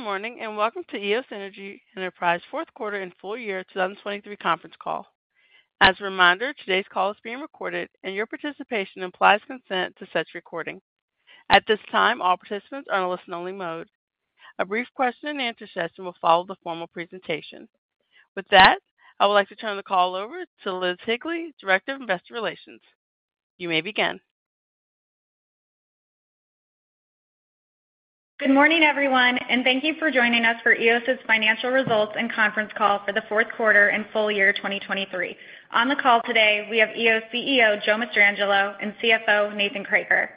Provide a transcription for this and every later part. Good morning, and welcome to Eos Energy Enterprises fourth quarter and full-year 2023 conference call. As a reminder, today's call is being recorded, and your participation implies consent to such recording. At this time, all participants are on a listen-only mode. A brief question and answer session will follow the formal presentation. With that, I would like to turn the call over to Liz Higley, Director of Investor Relations. You may begin. Good morning, everyone, and thank you for joining us for Eos's financial results and conference call for the fourth quarter and full-year 2023. On the call today, we have Eos CEO, Joe Mastrangelo, and CFO, Nathan Kroeker.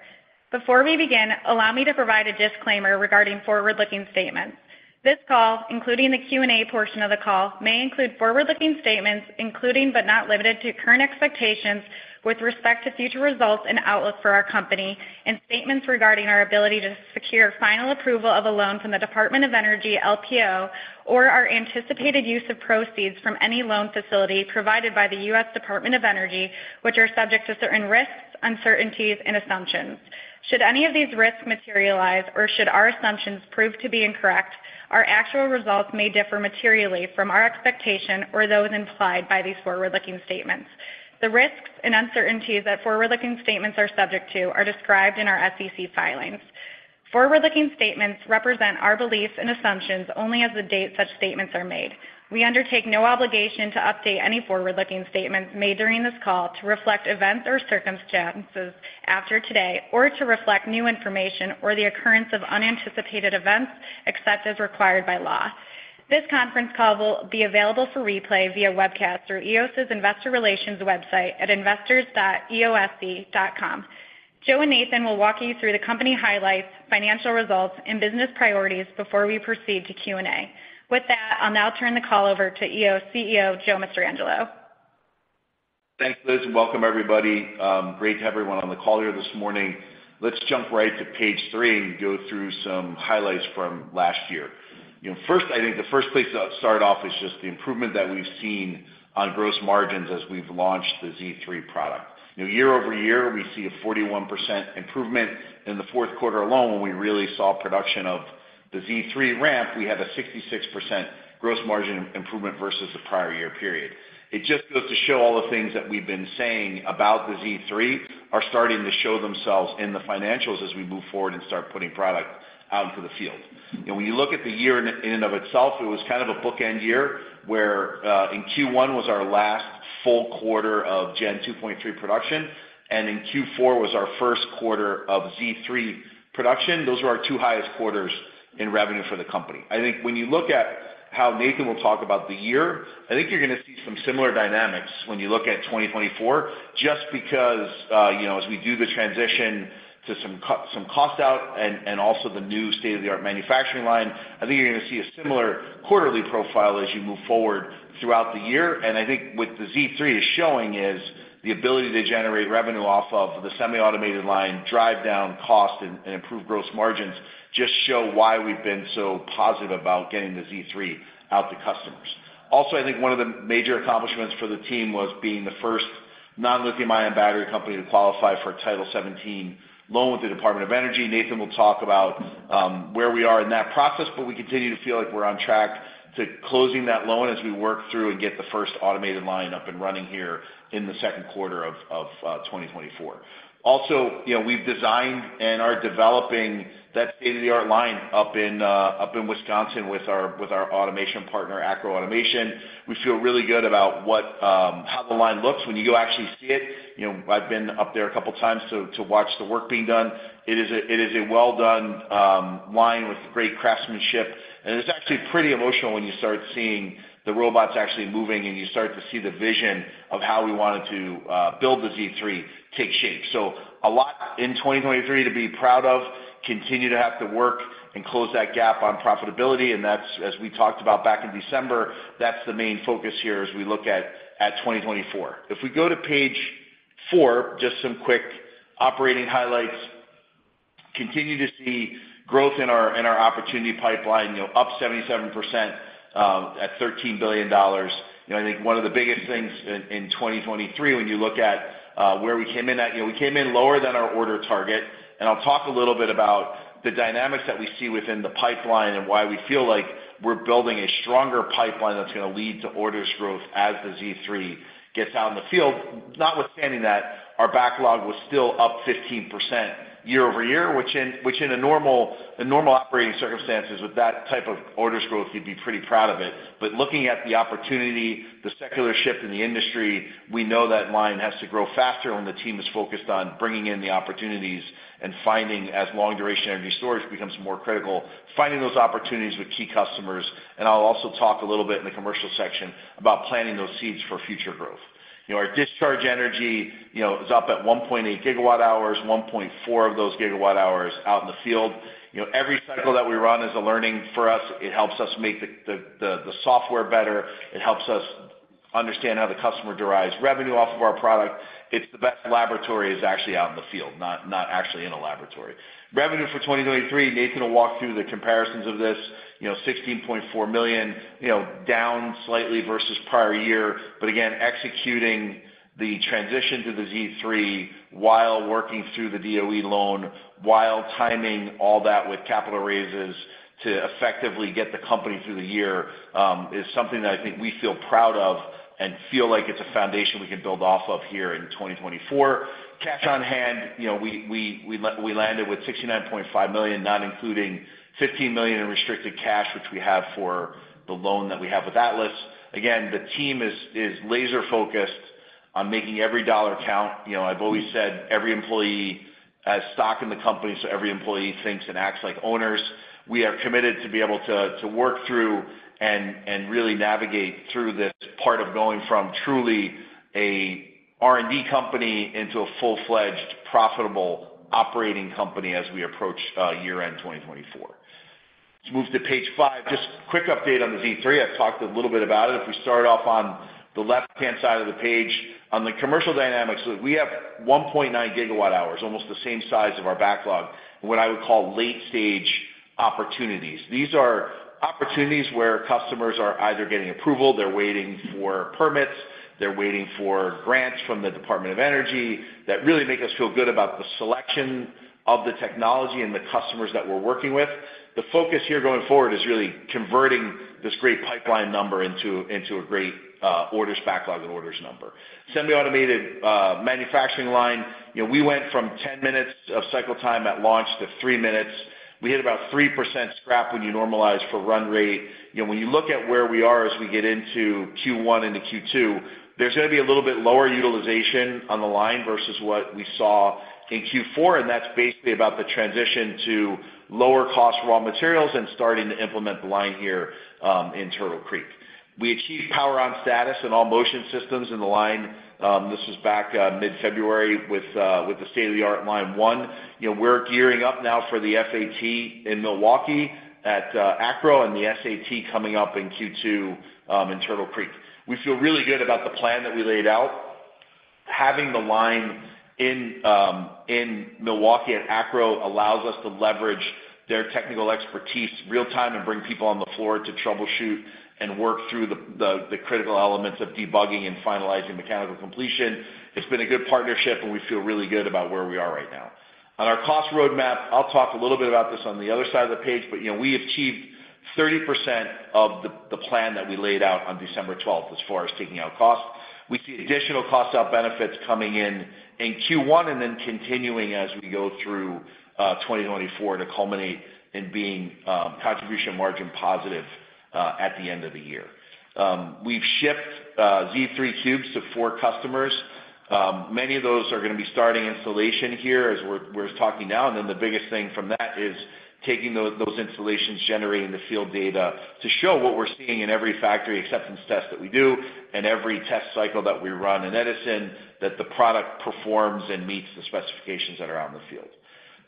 Before we begin, allow me to provide a disclaimer regarding forward-looking statements. This call, including the Q&A portion of the call, may include forward-looking statements, including but not limited to current expectations with respect to future results and outlook for our company, and statements regarding our ability to secure final approval of a loan from the Department of Energy, LPO, or our anticipated use of proceeds from any loan facility provided by the U.S. Department of Energy, which are subject to certain risks, uncertainties and assumptions. Should any of these risks materialize or should our assumptions prove to be incorrect, our actual results may differ materially from our expectation or those implied by these forward-looking statements. The risks and uncertainties that forward-looking statements are subject to are described in our SEC filings. Forward-looking statements represent our beliefs and assumptions only as of the date such statements are made. We undertake no obligation to update any forward-looking statements made during this call to reflect events or circumstances after today, or to reflect new information or the occurrence of unanticipated events, except as required by law. This conference call will be available for replay via webcast through Eos's Investor Relations website at investors.eosc.com. Joe and Nathan will walk you through the company highlights, financial results, and business priorities before we proceed to Q&A. With that, I'll now turn the call over to Eos CEO, Joe Mastrangelo. Thanks, Liz, and welcome, everybody. Great to have everyone on the call here this morning. Let's jump right to page three and go through some highlights from last year. You know, first, I think the first place to start off is just the improvement that we've seen on gross margins as we've launched the Z3 product. You know, year-over-year, we see a 41% improvement. In the fourth quarter alone, when we really saw production of the Z3 ramp, we had a 66% gross margin improvement versus the prior year period. It just goes to show all the things that we've been saying about the Z3 are starting to show themselves in the financials as we move forward and start putting product out into the field. And when you look at the year in and of itself, it was kind of a bookend year, where in Q1 was our last full quarter of Gen 2.3 production, and in Q4 was our first quarter of Z3 production. Those were our two highest quarters in revenue for the company. I think when you look at how Nathan will talk about the year, I think you're gonna see some similar dynamics when you look at 2024, just because, you know, as we do the transition to some cost out and also the new state-of-the-art manufacturing line, I think you're gonna see a similar quarterly profile as you move forward throughout the year. I think with the Z3 is showing is the ability to generate revenue off of the semi-automated line, drive down cost and improve gross margins, just show why we've been so positive about getting the Z3 out to customers. Also, I think one of the major accomplishments for the team was being the first non-lithium-ion battery company to qualify for a Title 17 loan with the Department of Energy. Nathan will talk about where we are in that process, but we continue to feel like we're on track to closing that loan as we work through and get the first automated line up and running here in the second quarter of 2024. Also, you know, we've designed and are developing that state-of-the-art line up in up in Wisconsin with our automation partner, ACRO Automation. We feel really good about what, How the line looks when you go actually see it. You know, I've been up there a couple of times to, to watch the work being done. It is a, it is a well-done, line with great craftsmanship, and it's actually pretty emotional when you start seeing the robots actually moving and you start to see the vision of how we wanted to build the Z3 take shape. So a lot in 2023 to be proud of, continue to have to work and close that gap on profitability, and that's, as we talked about back in December, that's the main focus here as we look at, at 2024. If we go to page four, just some quick operating highlights. Continue to see growth in our, in our opportunity pipeline, you know, up 77%, at $13 billion. You know, I think one of the biggest things in 2023, when you look at where we came in at, you know, we came in lower than our order target. And I'll talk a little bit about the dynamics that we see within the pipeline and why we feel like we're building a stronger pipeline that's gonna lead to orders growth as the Z3 gets out in the field. Notwithstanding that, our backlog was still up 15% year-over-year, which in a normal operating circumstances, with that type of order growth, you'd be pretty proud of it. But looking at the opportunity, the secular shift in the industry, we know that line has to grow faster when the team is focused on bringing in the opportunities and finding, as long-duration energy storage becomes more critical, finding those opportunities with key customers. I'll also talk a little bit in the commercial section about planting those seeds for future growth. You know, our discharge energy, you know, is up at 1.8 GWh, 1.4 of those GWh out in the field. You know, every cycle that we run is a learning for us. It helps us make the the software better. It helps us understand how the customer derives revenue off of our product. It's the best laboratory is actually out in the field, not actually in a laboratory. Revenue for 2023, Nathan will walk through the comparisons of this, you know, $16.4 million, you know, down slightly versus prior year. But again, executing the transition to the Z3 while working through the DOE loan, while timing all that with capital raises to effectively get the company through the year, is something that I think we feel proud of and feel like it's a foundation we can build off of here in 2024. Cash on hand, you know, we landed with $69.5 million, not including $15 million in restricted cash, which we have for the loan that we have with Atlas. Again, the team is laser-focused on making every dollar count. You know, I've always said every employee has stock in the company, so every employee thinks and acts like owners. We are committed to work through and really navigate through this part of going from truly a R&D company into a full-fledged, profitable operating company as we approach year-end 2024. Let's move to page five. Just quick update on the Z3. I talked a little bit about it. If we start off on the left-hand side of the page, on the commercial dynamics, we have 1.9 GWh, almost the same size of our backlog, and what I would call late-stage opportunities. These are opportunities where customers are either getting approval, they're waiting for permits, they're waiting for grants from the Department of Energy that really make us feel good about the selection of the technology and the customers that we're working with. The focus here going forward is really converting this great pipeline number into, into a great, orders backlog and orders number. Semi-automated, manufacturing line, you know, we went from 10 minutes of cycle time at launch to 3 minutes. We hit about 3% scrap when you normalize for run rate. You know, when you look at where we are as we get into Q1 and to Q2, there's gonna be a little bit lower utilization on the line versus what we saw in Q4, and that's basically about the transition to lower-cost raw materials and starting to implement the line here in Turtle Creek. We achieved power-on status in all motion systems in the line, this was back mid-February, with the state-of-the-art line one. You know, we're gearing up now for the SAT in Milwaukee at ACRO, and the SAT coming up in Q2 in Turtle Creek. We feel really good about the plan that we laid out. Having the line in Milwaukee at ACRO allows us to leverage their technical expertise real time and bring people on the floor to troubleshoot and work through the critical elements of debugging and finalizing mechanical completion. It's been a good partnership, and we feel really good about where we are right now. On our cost roadmap, I'll talk a little bit about this on the other side of the page, but you know, we achieved 30% of the plan that we laid out on December twelfth, as far as taking out costs. We see additional cost out benefits coming in in Q1, and then continuing as we go through 2024, to culminate in being contribution margin positive at the end of the year. We've shipped Z3 Cubes to four customers. Many of those are gonna be starting installation here as we're, we're talking now, and then the biggest thing from that is taking those installations, generating the field data, to show what we're seeing in every factory acceptance test that we do and every test cycle that we run in Edison, that the product performs and meets the specifications that are out in the field.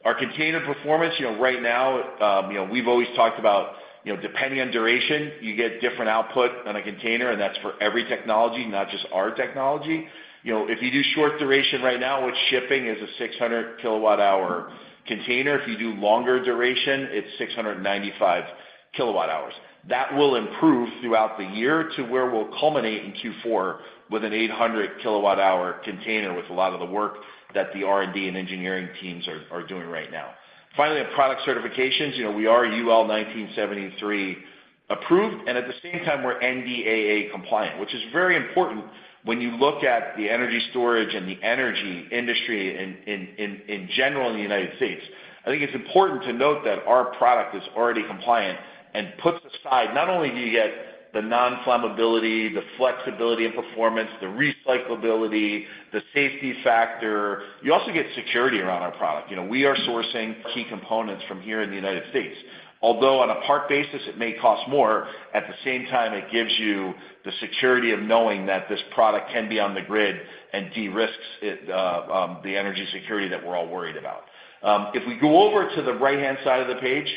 Our container performance, you know, right now, you know, we've always talked about, you know, depending on duration, you get different output on a container, and that's for every technology, not just our technology. You know, if you do short duration right now, which shipping is a 600 kWh container, if you do longer duration, it's 695 kWh. That will improve throughout the year to where we'll culminate in Q4 with an 800 kWh container, with a lot of the work that the R&D and engineering teams are doing right now. Finally, on product certifications, you know, we are UL 1973 approved, and at the same time, we're NDAA compliant, which is very important when you look at the energy storage and the energy industry in general, in the United States. I think it's important to note that our product is already compliant and puts aside, not only do you get the non-flammability, the flexibility and performance, the recyclability, the safety factor, you also get security around our product. You know, we are sourcing key components from here in the United States. Although on a part basis it may cost more, at the same time, it gives you the security of knowing that this product can be on the grid and de-risks it, the energy security that we're all worried about. If we go over to the right-hand side of the page,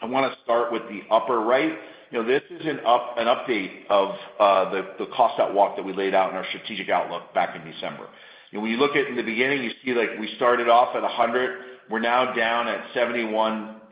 I wanna start with the upper right. You know, this is an update of the cost out walk that we laid out in our strategic outlook back in December. And when you look at, in the beginning, you see, like, we started off at 100. We're now down at 71%,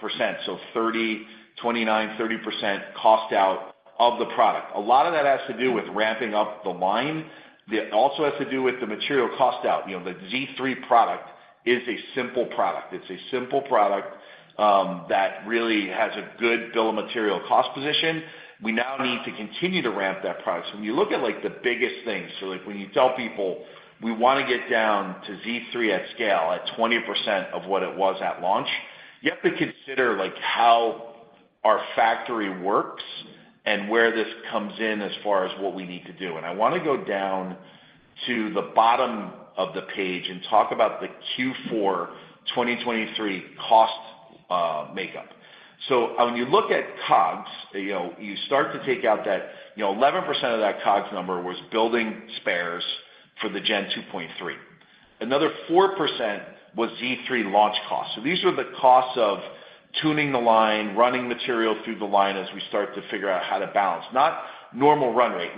so 30%, 29%, 30% cost out of the product. A lot of that has to do with ramping up the line. It also has to do with the material cost out. You know, the Z3 product is a simple product. It's a simple product that really has a good bill of material cost position. We now need to continue to ramp that product. So when you look at, like, the biggest things, so like, when you tell people we wanna get down to Z3 at scale, at 20% of what it was at launch, you have to consider, like, how our factory works and where this comes in as far as what we need to do. And I wanna go down to the bottom of the page and talk about the Q4 2023 cost makeup. So when you look at COGS, you know, you start to take out that... You know, 11% of that COGS number was building spares for the Gen 2.3. Another 4% was Z3 launch costs. So these were the costs of tuning the line, running material through the line as we start to figure out how to balance, not normal run rate.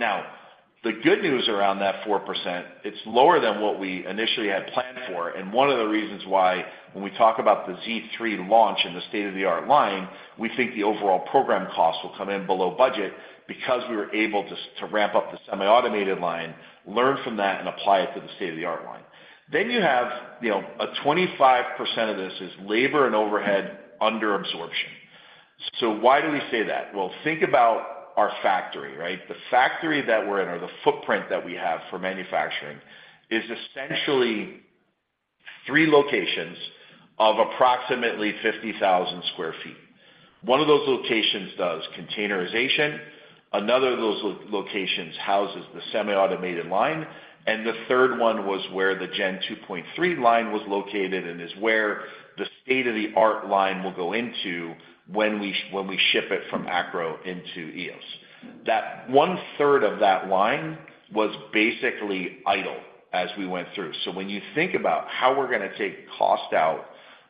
Now, the good news around that 4%, it's lower than what we initially had planned for, and one of the reasons why, when we talk about the Z3 launch and the state-of-the-art line, we think the overall program costs will come in below budget because we were able to, to ramp up the semi-automated line, learn from that, and apply it to the state-of-the-art line. Then you have, you know, a 25% of this is labor and overhead under absorption.... So why do we say that? Well, think about our factory, right? The factory that we're in, or the footprint that we have for manufacturing, is essentially three locations of approximately 50,000 sq ft. One of those locations does containerization, another of those locations houses the semi-automated line, and the third one was where the Gen 2.3 line was located, and is where the state-of-the-art line will go into when we ship it from ACRO into Eos. That one-third of that line was basically idle as we went through. So when you think about how we're gonna take cost out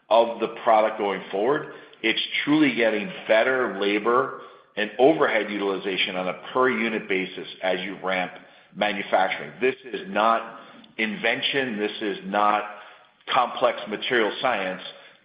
of the product going forward, it's truly getting better labor and overhead utilization on a per unit basis as you ramp manufacturing. This is not invention, this is not complex material science,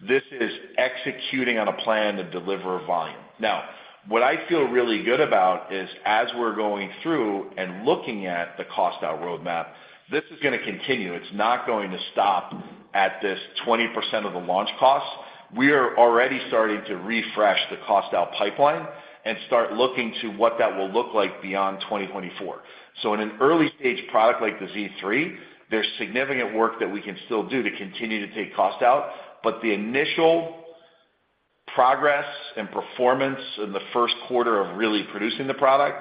this is executing on a plan to deliver volume. Now, what I feel really good about is, as we're going through and looking at the cost out roadmap, this is gonna continue. It's not going to stop at this 20% of the launch costs. We are already starting to refresh the cost out pipeline and start looking to what that will look like beyond 2024. So in an early-stage product like the Z3, there's significant work that we can still do to continue to take costs out, but the initial progress and performance in the first quarter of really producing the product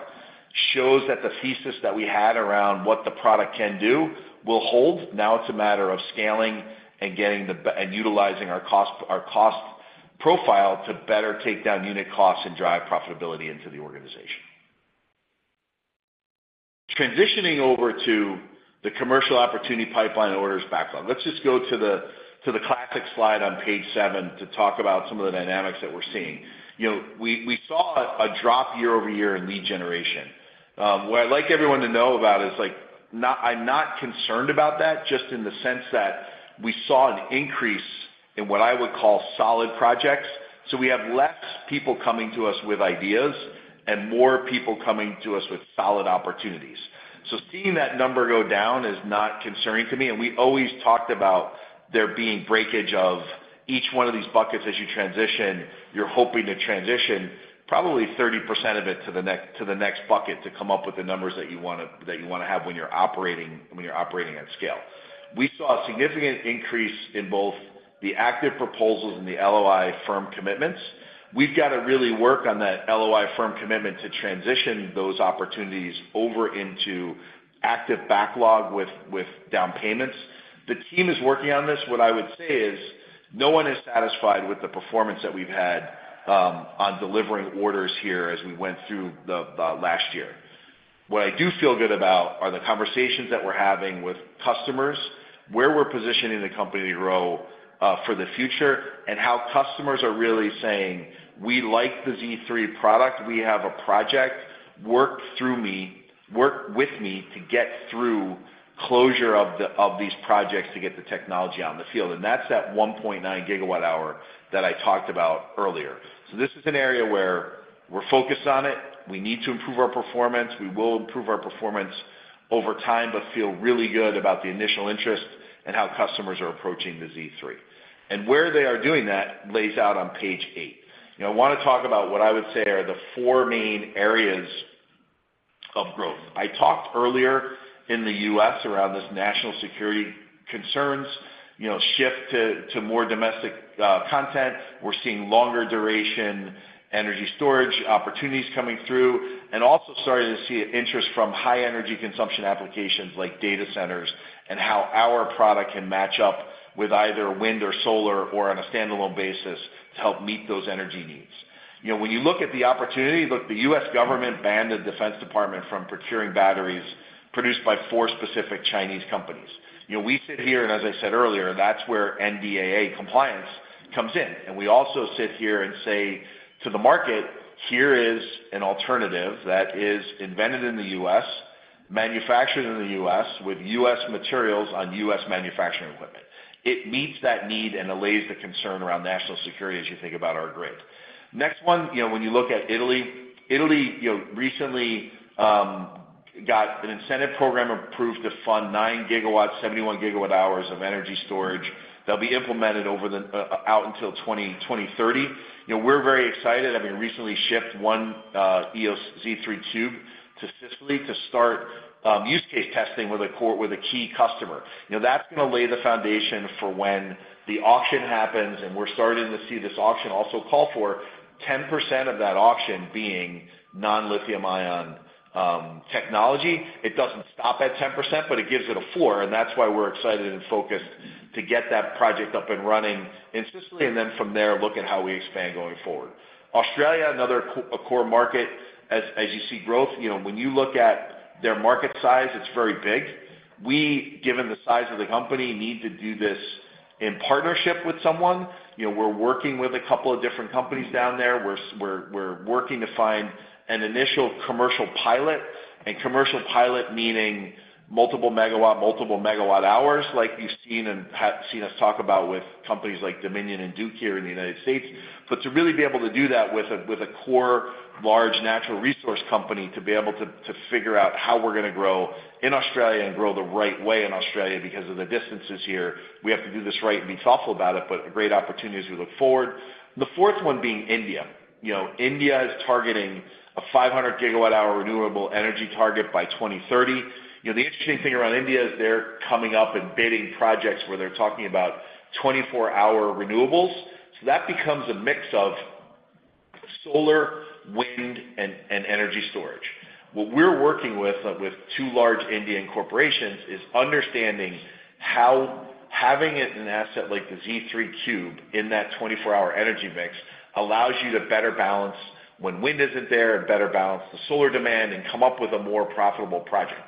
shows that the thesis that we had around what the product can do will hold. Now it's a matter of scaling and getting the and utilizing our cost, our cost profile to better take down unit costs and drive profitability into the organization. Transitioning over to the commercial opportunity pipeline orders backlog. Let's just go to the classic slide on page seven to talk about some of the dynamics that we're seeing. You know, we saw a drop year-over-year in lead generation. What I'd like everyone to know about is, like, not, I'm not concerned about that, just in the sense that we saw an increase in what I would call solid projects. So we have less people coming to us with ideas and more people coming to us with solid opportunities. So seeing that number go down is not concerning to me, and we always talked about there being breakage of each one of these buckets as you transition. You're hoping to transition probably 30% of it to the next, to the next bucket to come up with the numbers that you wanna, that you wanna have when you're operating, when you're operating at scale. We saw a significant increase in both the active proposals and the LOI firm commitments. We've got to really work on that LOI firm commitment to transition those opportunities over into active backlog with down payments. The team is working on this. What I would say is, no one is satisfied with the performance that we've had on delivering orders here as we went through the last year. What I do feel good about are the conversations that we're having with customers, where we're positioning the company to grow for the future, and how customers are really saying, "We like the Z3 product. We have a project. Work through me, work with me to get through closure of these projects to get the technology out in the field." And that's that 1.9 GWh that I talked about earlier. So this is an area where we're focused on it. We need to improve our performance. We will improve our performance over time, but feel really good about the initial interest and how customers are approaching the Z3. Where they are doing that lays out on page eight. You know, I wanna talk about what I would say are the four main areas of growth. I talked earlier in the U.S. around this national security concerns, you know, shift to, to more domestic content. We're seeing longer duration energy storage opportunities coming through, and also starting to see an interest from high energy consumption applications like data centers, and how our product can match up with either wind or solar, or on a standalone basis, to help meet those energy needs. You know, when you look at the opportunity, look, the U.S. government banned the Defense Department from procuring batteries produced by four specific Chinese companies. You know, we sit here, and as I said earlier, that's where NDAA compliance comes in. And we also sit here and say to the market, "Here is an alternative that is invented in the U.S., manufactured in the U.S., with U.S. materials on U.S. manufacturing equipment." It meets that need and allays the concern around national security as you think about our grid. Next one, you know, when you look at Italy, Italy, you know, recently got an incentive program approved to fund 9 GW, 71 GWh of energy storage that'll be implemented over the out until 2030. You know, we're very excited. I mean, we recently shipped one Eos Z3 Cube to Sicily to start use case testing with a key customer. You know, that's gonna lay the foundation for when the auction happens, and we're starting to see this auction also call for 10% of that auction being non-lithium ion technology. It doesn't stop at 10%, but it gives it a floor, and that's why we're excited and focused to get that project up and running in Sicily, and then from there, look at how we expand going forward. Australia, another core market. As you see growth, you know, when you look at their market size, it's very big. We, given the size of the company, need to do this in partnership with someone. You know, we're working with a couple of different companies down there. We're working to find an initial commercial pilot, and commercial pilot meaning multiple megawatt, multiple megawatt hours, like you've seen and seen us talk about with companies like Dominion and Duke here in the United States. But to really be able to do that with a core, large natural resource company, to be able to figure out how we're gonna grow in Australia and grow the right way in Australia, because of the distances here, we have to do this right and be thoughtful about it, but a great opportunity as we look forward. The fourth one being India. You know, India is targeting a 500 GWh renewable energy target by 2030. You know, the interesting thing around India is they're coming up and bidding projects where they're talking about 24-hour renewables, so that becomes a mix of solar, wind, and energy storage. What we're working with, with two large Indian corporations, is understanding how having it an asset like the Z3 Cube in that 24-hour energy mix allows you to better balance when wind isn't there, and better balance the solar demand, and come up with a more profitable project.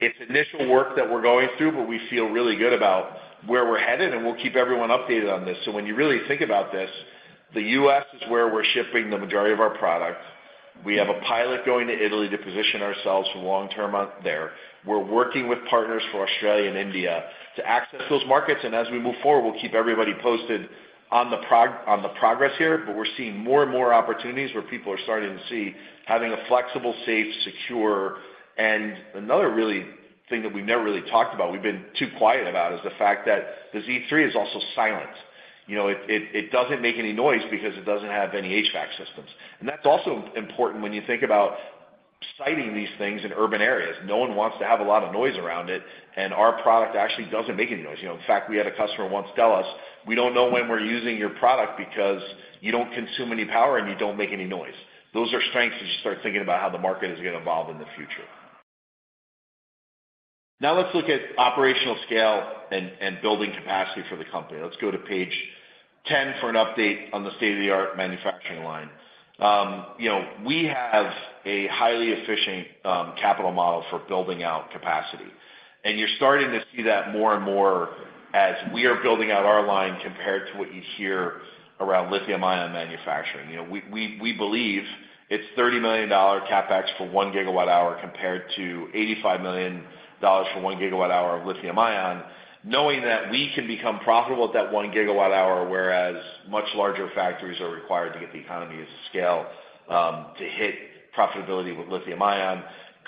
It's initial work that we're going through, but we feel really good about where we're headed, and we'll keep everyone updated on this. So when you really think about this, the U.S. is where we're shipping the majority of our product. We have a pilot going to Italy to position ourselves for long-term out there. We're working with partners for Australia and India to access those markets, and as we move forward, we'll keep everybody posted on the progress here. But we're seeing more and more opportunities where people are starting to see having a flexible, safe, secure... And another real thing that we've never really talked about, we've been too quiet about, is the fact that the Z3 is also silent. You know, it doesn't make any noise because it doesn't have any HVAC systems. And that's also important when you think about siting these things in urban areas. No one wants to have a lot of noise around it, and our product actually doesn't make any noise. You know, in fact, we had a customer once tell us, "We don't know when we're using your product because you don't consume any power, and you don't make any noise." Those are strengths as you start thinking about how the market is gonna evolve in the future. Now, let's look at operational scale and building capacity for the company. Let's go to page 10 for an update on the state-of-the-art manufacturing line. You know, we have a highly efficient capital model for building out capacity, and you're starting to see that more and more as we are building out our line compared to what you hear around lithium-ion manufacturing. You know, we believe it's $30 million CapEx for 1 GWh compared to $85 million for 1 GWh of lithium-ion, knowing that we can become profitable at that 1 GWh, whereas much larger factories are required to get the economy of scale to hit profitability with lithium-ion.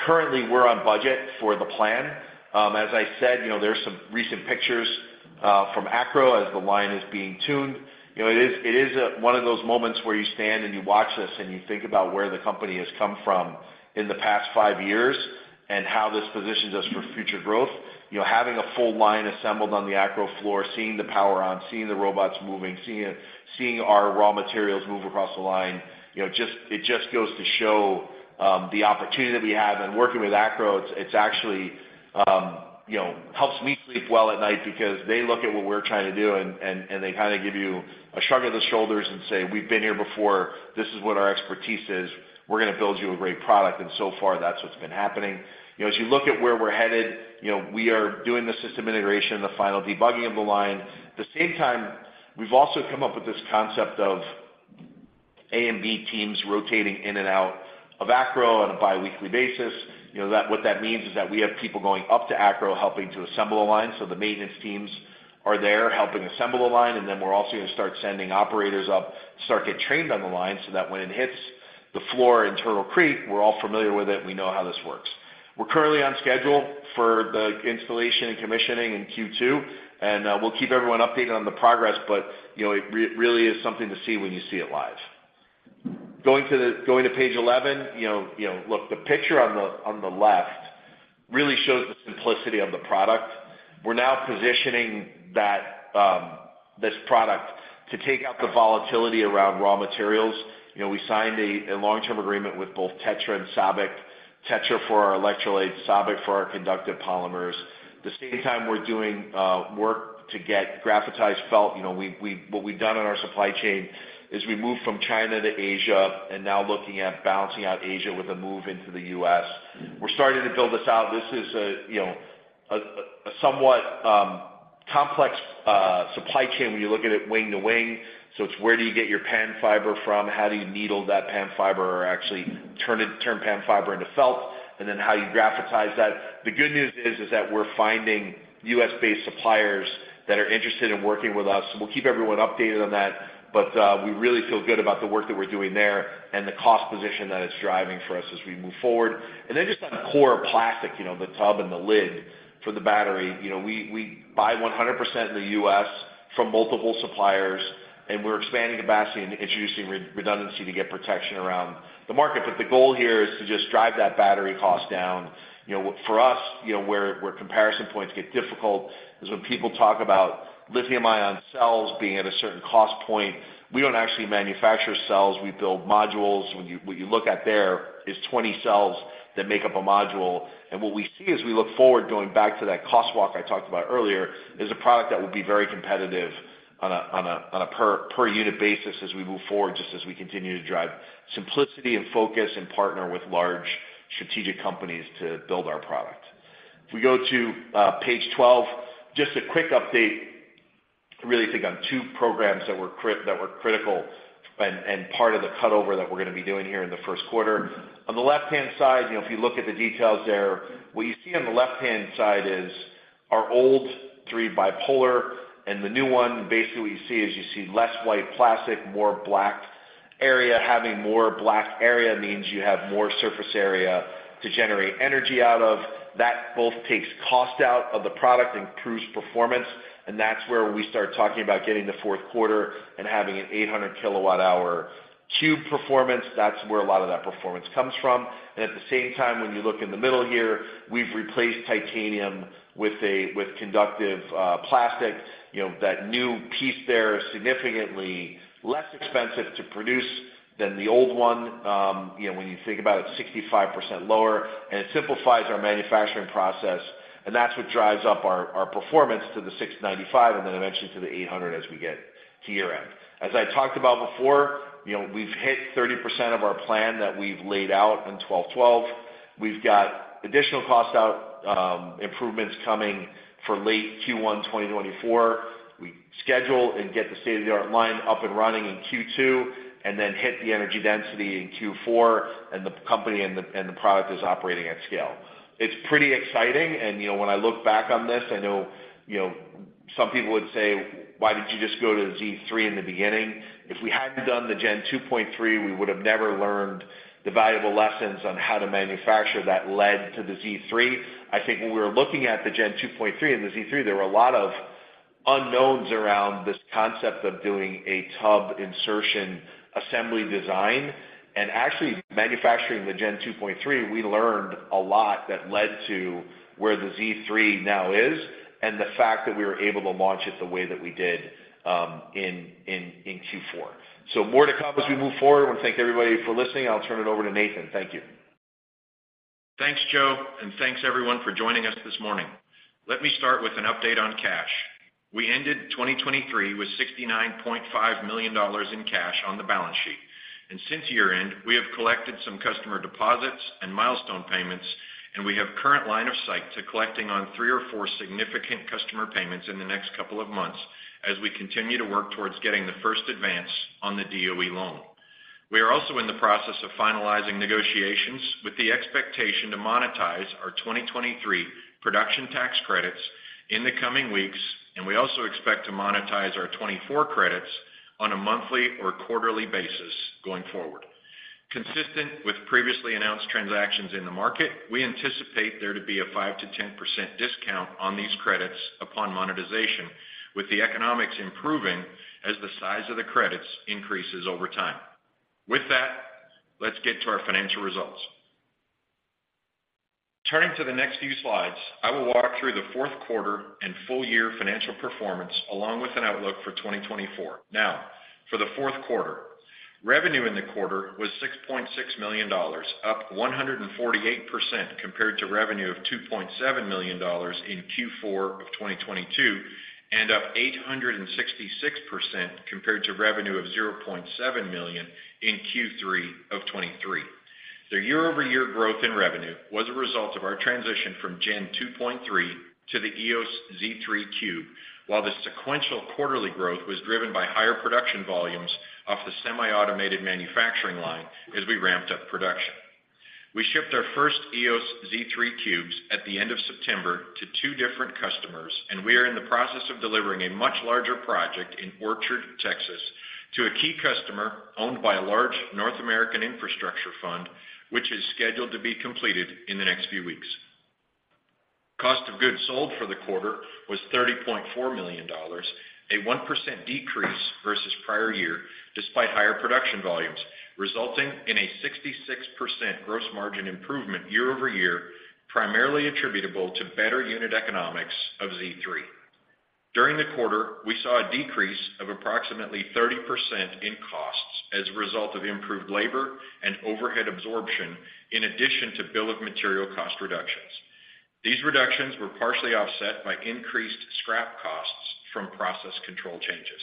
Currently, we're on budget for the plan. As I said, you know, there are some recent pictures from ACRO as the line is being tuned. You know, it is one of those moments where you stand and you watch this, and you think about where the company has come from in the past five years, and how this positions us for future growth. You know, having a full line assembled on the ACRO floor, seeing the power on, seeing the robots moving, seeing our raw materials move across the line, you know, it just goes to show the opportunity that we have. And working with ACRO, it's actually, you know, helps me sleep well at night because they look at what we're trying to do, and they kinda give you a shrug of the shoulders and say, "We've been here before. This is what our expertise is. We're gonna build you a great product." And so far, that's what's been happening. You know, as you look at where we're headed, you know, we are doing the system integration and the final debugging of the line. At the same time, we've also come up with this concept of A and B teams rotating in and out of ACRO on a biweekly basis. You know, that - what that means is that we have people going up to ACRO, helping to assemble a line, so the maintenance teams are there helping assemble a line. And then we're also gonna start sending operators up to start get trained on the line, so that when it hits the floor in Turtle Creek, we're all familiar with it, and we know how this works. We're currently on schedule for the installation and commissioning in Q2, and we'll keep everyone updated on the progress. But, you know, it really is something to see when you see it live. Going to page 11, you know, you know, look, the picture on the left really shows the simplicity of the product. We're now positioning that, this product to take out the volatility around raw materials. You know, we signed a long-term agreement with both TETRA and SABIC: TETRA for our electrolyte, SABIC for our conductive polymers. The same time, we're doing work to get graphitized felt. You know, what we've done on our supply chain, is we moved from China to Asia, and now looking at balancing out Asia with a move into the U.S. We're starting to build this out. This is a, you know, a somewhat complex supply chain when you look at it wing to wing. So it's where do you get your PAN Fiber from? How do you needle that PAN Fiber, or actually turn PAN Fiber into felt? And then how you graphitize that. The good news is that we're finding U.S.-based suppliers that are interested in working with us. We'll keep everyone updated on that, but we really feel good about the work that we're doing there and the cost position that it's driving for us as we move forward. And then just on the core plastic, you know, the tub and the lid for the battery, you know, we buy 100% in the U.S. from multiple suppliers, and we're expanding capacity and introducing redundancy to get protection around the market. But the goal here is to just drive that battery cost down. You know, for us, you know, where comparison points get difficult is when people talk about lithium-ion cells being at a certain cost point. We don't actually manufacture cells; we build modules. What you look at there is 20 cells that make up a module. And what we see as we look forward, going back to that cost walk I talked about earlier, is a product that will be very competitive on a per unit basis as we move forward, just as we continue to drive simplicity and focus and partner with large strategic companies to build our product. If we go to page 12, just a quick update, I really think on two programs that were critical and part of the cutover that we're gonna be doing here in the first quarter. On the left-hand side, you know, if you look at the details there, what you see on the left-hand side is our old three bipolar and the new one. Basically, what you see is you see less white plastic, more black area. Having more black area means you have more surface area to generate energy out of. That both takes cost out of the product and improves performance, and that's where we start talking about getting to fourth quarter and having an 800 kWh cube performance. That's where a lot of that performance comes from. And at the same time, when you look in the middle here, we've replaced titanium with a, with conductive plastic. You know, that new piece there is significantly less expensive to produce. than the old one, you know, when you think about it, 65% lower, and it simplifies our manufacturing process, and that's what drives up our, our performance to the 695, and then eventually to the 800 as we get to year-end. As I talked about before, you know, we've hit 30% of our plan that we've laid out in 12/12. We've got additional cost out, improvements coming for late Q1, 2024. We schedule and get the state-of-the-art line up and running in Q2, and then hit the energy density in Q4, and the company and the, and the product is operating at scale. It's pretty exciting, and, you know, when I look back on this, I know, you know, some people would say: Why didn't you just go to the Z3 in the beginning? If we hadn't done the Gen 2.3, we would have never learned the valuable lessons on how to manufacture that led to the Z3. I think when we were looking at the Gen 2.3 and the Z3, there were a lot of unknowns around this concept of doing a tub insertion assembly design, and actually manufacturing the Gen 2.3, we learned a lot that led to where the Z3 now is, and the fact that we were able to launch it the way that we did in Q4. So more to come as we move forward. I wanna thank everybody for listening. I'll turn it over to Nathan. Thank you. Thanks, Joe, and thanks everyone for joining us this morning. Let me start with an update on cash. We ended 2023 with $69.5 million in cash on the balance sheet, and since year-end, we have collected some customer deposits and milestone payments, and we have current line of sight to collecting on three or four significant customer payments in the next couple of months as we continue to work towards getting the first advance on the DOE loan. We are also in the process of finalizing negotiations with the expectation to monetize our 2023 production tax credits in the coming weeks, and we also expect to monetize our 2024 credits on a monthly or quarterly basis going forward. Consistent with previously announced transactions in the market, we anticipate there to be a 5%-10% discount on these credits upon monetization, with the economics improving as the size of the credits increases over time. With that, let's get to our financial results. Turning to the next few slides, I will walk through the fourth quarter and full-year financial performance, along with an outlook for 2024. Now, for the fourth quarter, revenue in the quarter was $6.6 million, up 148% compared to revenue of $2.7 million in Q4 of 2022, and up 866% compared to revenue of $0.7 million in Q3 of 2023. The year-over-year growth in revenue was a result of our transition from Gen 2.3 to the Eos Z3 Cube, while the sequential quarterly growth was driven by higher production volumes off the semi-automated manufacturing line as we ramped up production. We shipped our first Eos Z3 Cubes at the end of September to two different customers, and we are in the process of delivering a much larger project in Orchard, Texas, to a key customer owned by a large North American infrastructure fund, which is scheduled to be completed in the next few weeks. Cost of goods sold for the quarter was $30.4 million, a 1% decrease versus prior year, despite higher production volumes, resulting in a 66% gross margin improvement year-over-year, primarily attributable to better unit economics of Z3. During the quarter, we saw a decrease of approximately 30% in costs as a result of improved labor and overhead absorption, in addition to bill of material cost reductions. These reductions were partially offset by increased scrap costs from process control changes.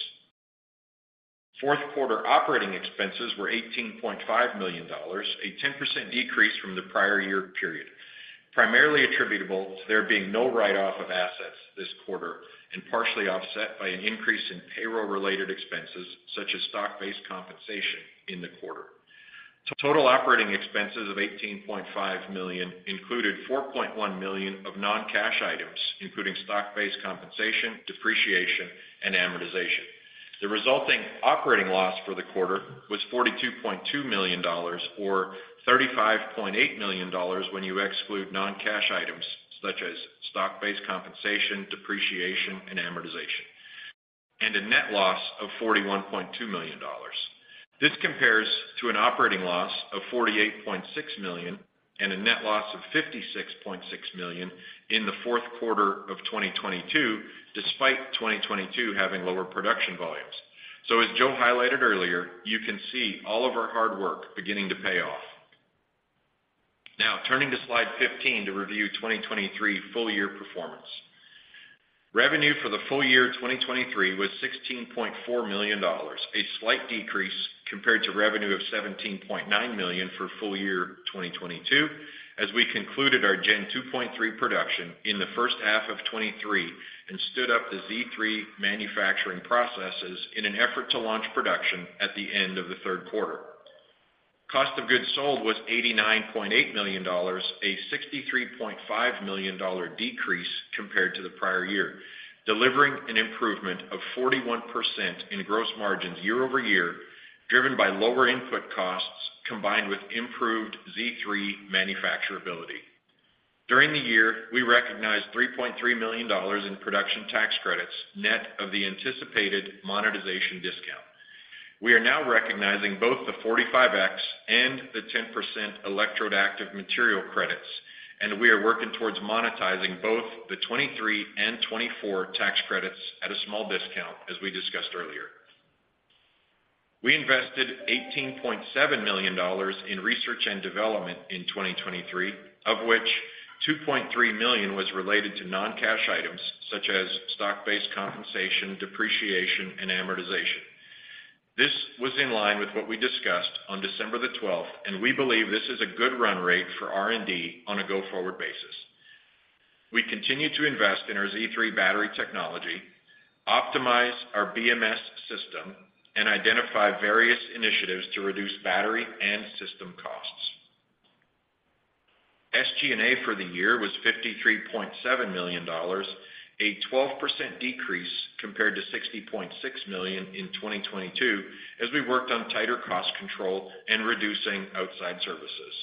Fourth quarter operating expenses were $18.5 million, a 10% decrease from the prior year period, primarily attributable to there being no write-off of assets this quarter, and partially offset by an increase in payroll-related expenses, such as stock-based compensation in the quarter. Total operating expenses of $18.5 million included $4.1 million of non-cash items, including stock-based compensation, depreciation, and amortization. The resulting operating loss for the quarter was $42.2 million, or $35.8 million when you exclude non-cash items such as stock-based compensation, depreciation, and amortization, and a net loss of $41.2 million. This compares to an operating loss of $48.6 million and a net loss of $56.6 million in the fourth quarter of 2022, despite 2022 having lower production volumes. So as Joe highlighted earlier, you can see all of our hard work beginning to pay off. Now, turning to slide 15 to review 2023 full-year performance. Revenue for the full-year 2023 was $16.4 million, a slight decrease compared to revenue of $17.9 million for full-year 2022, as we concluded our Gen 2.3 production in the first half of 2023 and stood up the Z3 manufacturing processes in an effort to launch production at the end of the third quarter. Cost of goods sold was $89.8 million, a $63.5 million decrease compared to the prior year, delivering an improvement of 41% in gross margins year-over-year, driven by lower input costs, combined with improved Z3 manufacturability. During the year, we recognized $3.3 million in production tax credits, net of the anticipated monetization discount. We are now recognizing both the 45X and the 10% electrode active material credits. We are working towards monetizing both the 2023 and 2024 tax credits at a small discount, as we discussed earlier. We invested $18.7 million in research and development in 2023, of which $2.3 million was related to non-cash items such as stock-based compensation, depreciation, and amortization. This was in line with what we discussed on December 12th, and we believe this is a good run rate for R&D on a go-forward basis. We continue to invest in our Z3 battery technology, optimize our BMS system, and identify various initiatives to reduce battery and system costs. SG&A for the year was $53.7 million, a 12% decrease compared to $60.6 million in 2022, as we worked on tighter cost control and reducing outside services.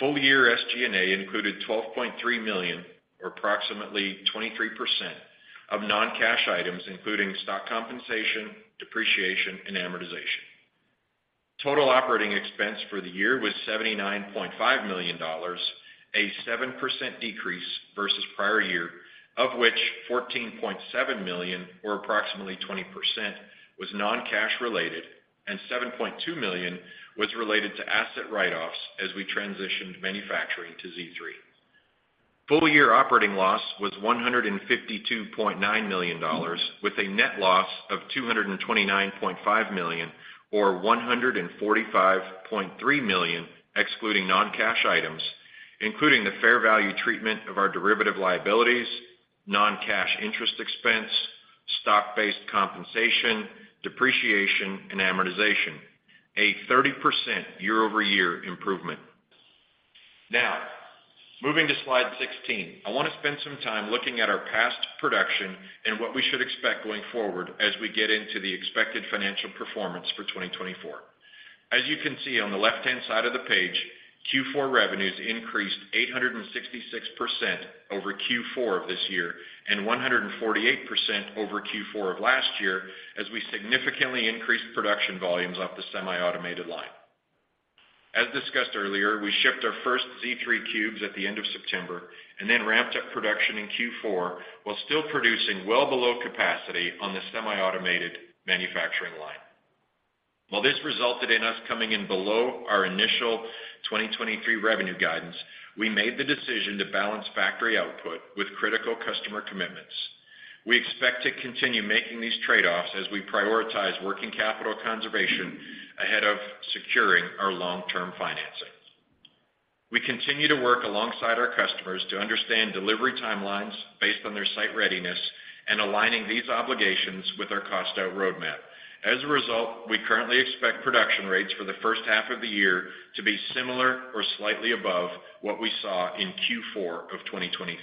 Full year SG&A included $12.3 million, or approximately 23% of non-cash items, including stock compensation, depreciation, and amortization. Total operating expense for the year was $79.5 million, a 7% decrease versus prior year, of which $14.7 million, or approximately 20%, was non-cash related and $7.2 million was related to asset write-offs as we transitioned manufacturing to Z3. Full year operating loss was $152.9 million, with a net loss of $229.5 million or $145.3 million, excluding non-cash items, including the fair value treatment of our derivative liabilities, non-cash interest expense, stock-based compensation, depreciation, and amortization, a 30% year-over-year improvement. Now, moving to slide 16, I want to spend some time looking at our past production and what we should expect going forward as we get into the expected financial performance for 2024. As you can see on the left-hand side of the page, Q4 revenues increased 866% over Q4 of this year, and 148% over Q4 of last year, as we significantly increased production volumes off the semi-automated line. As discussed earlier, we shipped our first Z3 Cubes at the end of September and then ramped up production in Q4, while still producing well below capacity on the semi-automated manufacturing line. While this resulted in us coming in below our initial 2023 revenue guidance, we made the decision to balance factory output with critical customer commitments. We expect to continue making these trade-offs as we prioritize working capital conservation ahead of securing our long-term financing. We continue to work alongside our customers to understand delivery timelines based on their site readiness and aligning these obligations with our cost-out roadmap. As a result, we currently expect production rates for the first half of the year to be similar or slightly above what we saw in Q4 of 2023.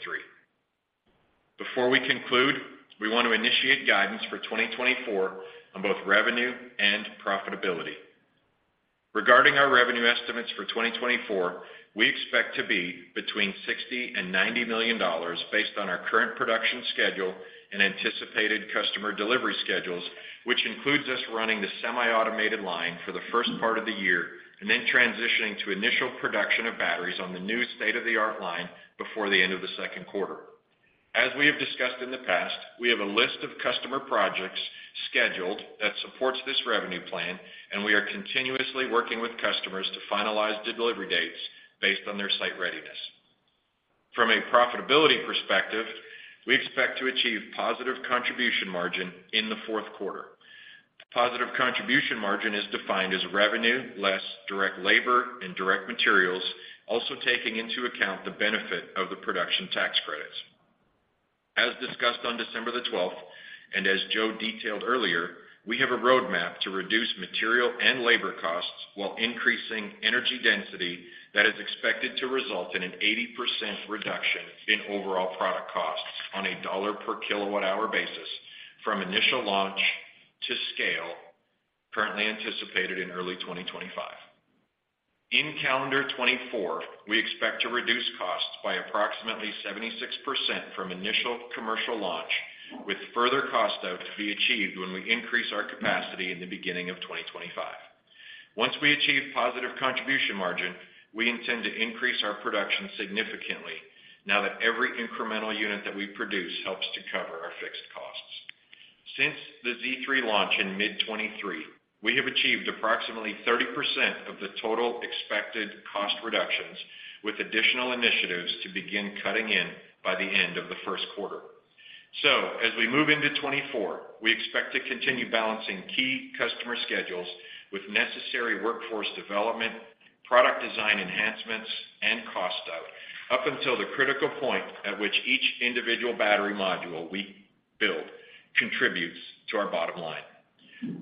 Before we conclude, we want to initiate guidance for 2024 on both revenue and profitability. Regarding our revenue estimates for 2024, we expect to be between $60 million-$90 million, based on our current production schedule and anticipated customer delivery schedules, which includes us running the semi-automated line for the first part of the year and then transitioning to initial production of batteries on the new state-of-the-art line before the end of the second quarter. As we have discussed in the past, we have a list of customer projects scheduled that supports this revenue plan, and we are continuously working with customers to finalize the delivery dates based on their site readiness. From a profitability perspective, we expect to achieve positive contribution margin in the fourth quarter. Positive contribution margin is defined as revenue, less direct labor and direct materials, also taking into account the benefit of the production tax credits. As discussed on December the twelfth, and as Joe detailed earlier, we have a roadmap to reduce material and labor costs while increasing energy density that is expected to result in an 80% reduction in overall product costs on a $/kWh basis, from initial launch to scale, currently anticipated in early 2025. In calendar 2024, we expect to reduce costs by approximately 76% from initial commercial launch, with further cost out to be achieved when we increase our capacity in the beginning of 2025. Once we achieve positive contribution margin, we intend to increase our production significantly now that every incremental unit that we produce helps to cover our fixed costs. Since the Z3 launch in mid 2023, we have achieved approximately 30% of the total expected cost reductions, with additional initiatives to begin cutting in by the end of the first quarter. So as we move into 2024, we expect to continue balancing key customer schedules with necessary workforce development, product design enhancements, and cost out, up until the critical point at which each individual battery module we build contributes to our bottom line.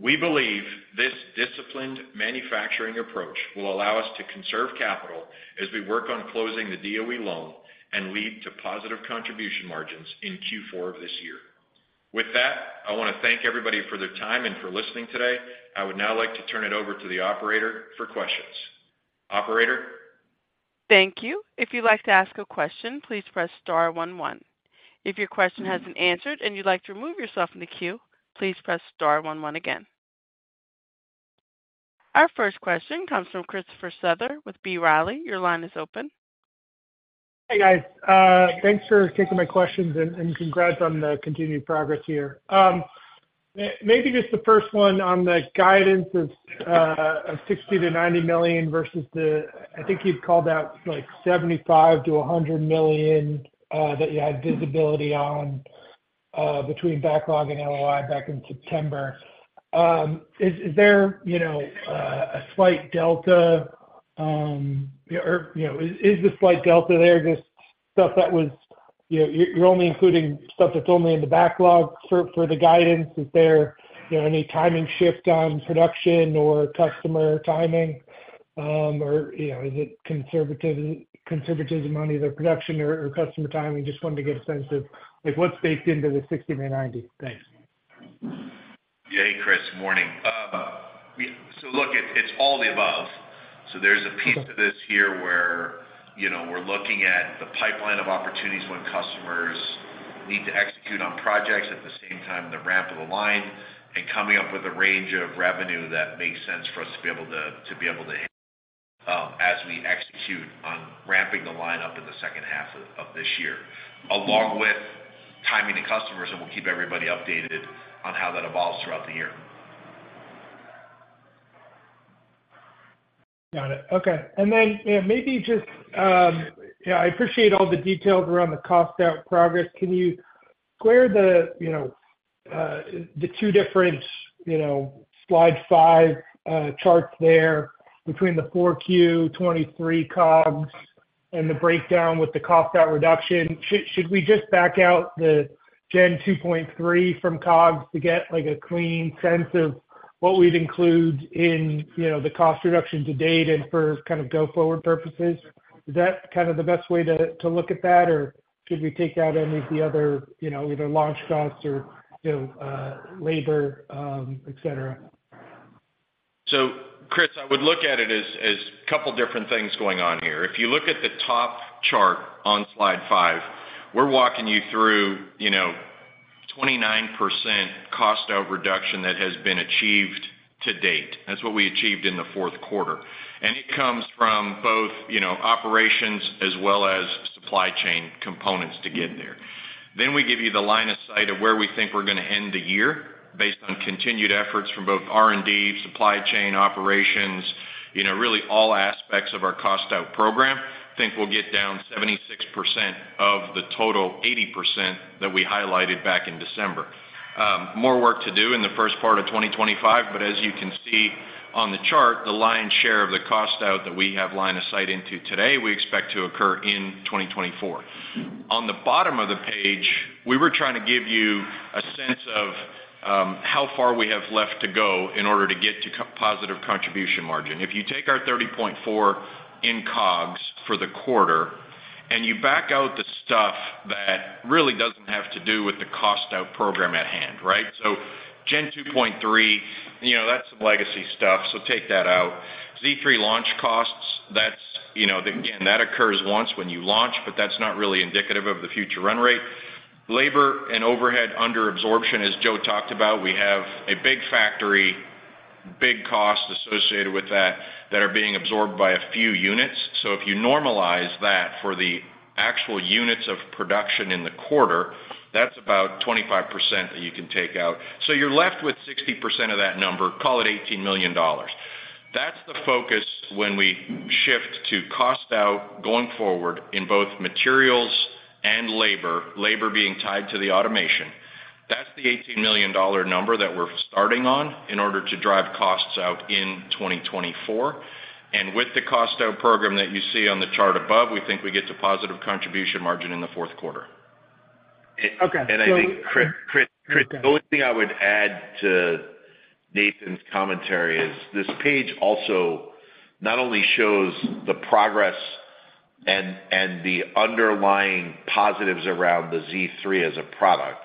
We believe this disciplined manufacturing approach will allow us to conserve capital as we work on closing the DOE loan and lead to positive contribution margins in Q4 of this year. With that, I want to thank everybody for their time and for listening today. I would now like to turn it over to the operator for questions. Operator? Thank you. If you'd like to ask a question, please press star one, one. If your question hasn't answered and you'd like to remove yourself from the queue, please press star one, one again. Our first question comes from Christopher Souther with B. Riley. Your line is open. Hey, guys. Thanks for taking my questions and congrats on the continued progress here. Maybe just the first one on the guidance of $60 million-$90 million versus the... I think you'd called out like $75 million-$100 million that you had visibility on between backlog and LOI back in September. Is there, you know, a slight delta, or, you know, is the slight delta there just you're only including stuff that's only in the backlog for the guidance? Is there, you know, any timing shift on production or customer timing? Or, you know, is it conservatism on either production or customer timing? Just wanted to get a sense of like what's baked into the $60 million-$90 million. Thanks. Yeah. Hey, Chris. Morning. So look, it's all the above. So there's a piece of this here where, you know, we're looking at the pipeline of opportunities when customers need to execute on projects at the same time, the ramp of the line, and coming up with a range of revenue that makes sense for us to be able to as we execute on ramping the line up in the second half of this year. Along with timing the customers, and we'll keep everybody updated on how that evolves throughout the year. Got it. Okay. And then, yeah, maybe just. Yeah, I appreciate all the details around the cost out progress. Can you square the, you know, the two different, you know, slide five, charts there between the 4Q 2023 COGS and the breakdown with the cost out reduction? Should, should we just back out the Gen 2.3 from COGS to get, like, a clean sense of what we'd include in, you know, the cost reduction to date and for kind of go-forward purposes? Is that kind of the best way to, to look at that, or should we take out any of the other, you know, either launch costs or, you know, labor, et cetera? So, Chris, I would look at it as, as a couple different things going on here. If you look at the top chart on slide five, we're walking you through, you know, 29% cost out reduction that has been achieved to date. That's what we achieved in the fourth quarter. And it comes from both, you know, operations as well as supply chain components to get there. Then we give you the line of sight of where we think we're gonna end the year based on continued efforts from both R&D, supply chain operations, you know, really all aspects of our cost out program. I think we'll get down 76% of the total 80% that we highlighted back in December. More work to do in the first part of 2025, but as you can see on the chart, the lion's share of the cost out that we have line of sight into today, we expect to occur in 2024. On the bottom of the page, we were trying to give you a sense of how far we have left to go in order to get to cost-positive contribution margin. If you take our $30.4 million in COGS for the quarter, and you back out the stuff that really doesn't have to do with the cost out program at hand, right? So Gen 2.3, you know, that's legacy stuff, so take that out. Z3 launch costs, that's, you know, again, that occurs once when you launch, but that's not really indicative of the future run rate. Labor and overhead under absorption, as Joe talked about, we have a big factory, big cost associated with that, that are being absorbed by a few units. So if you normalize that for the actual units of production in the quarter, that's about 25% that you can take out. So you're left with 60% of that number, call it $18 million. That's the focus when we shift to cost out going forward in both materials and labor, labor being tied to the automation. That's the $18 million number that we're starting on in order to drive costs out in 2024. And with the cost out program that you see on the chart above, we think we get to positive contribution margin in the fourth quarter. Okay, so- I think, Chris, Chris, Chris, the only thing I would add to Nathan's commentary is, this page also not only shows the progress and the underlying positives around the Z3 as a product,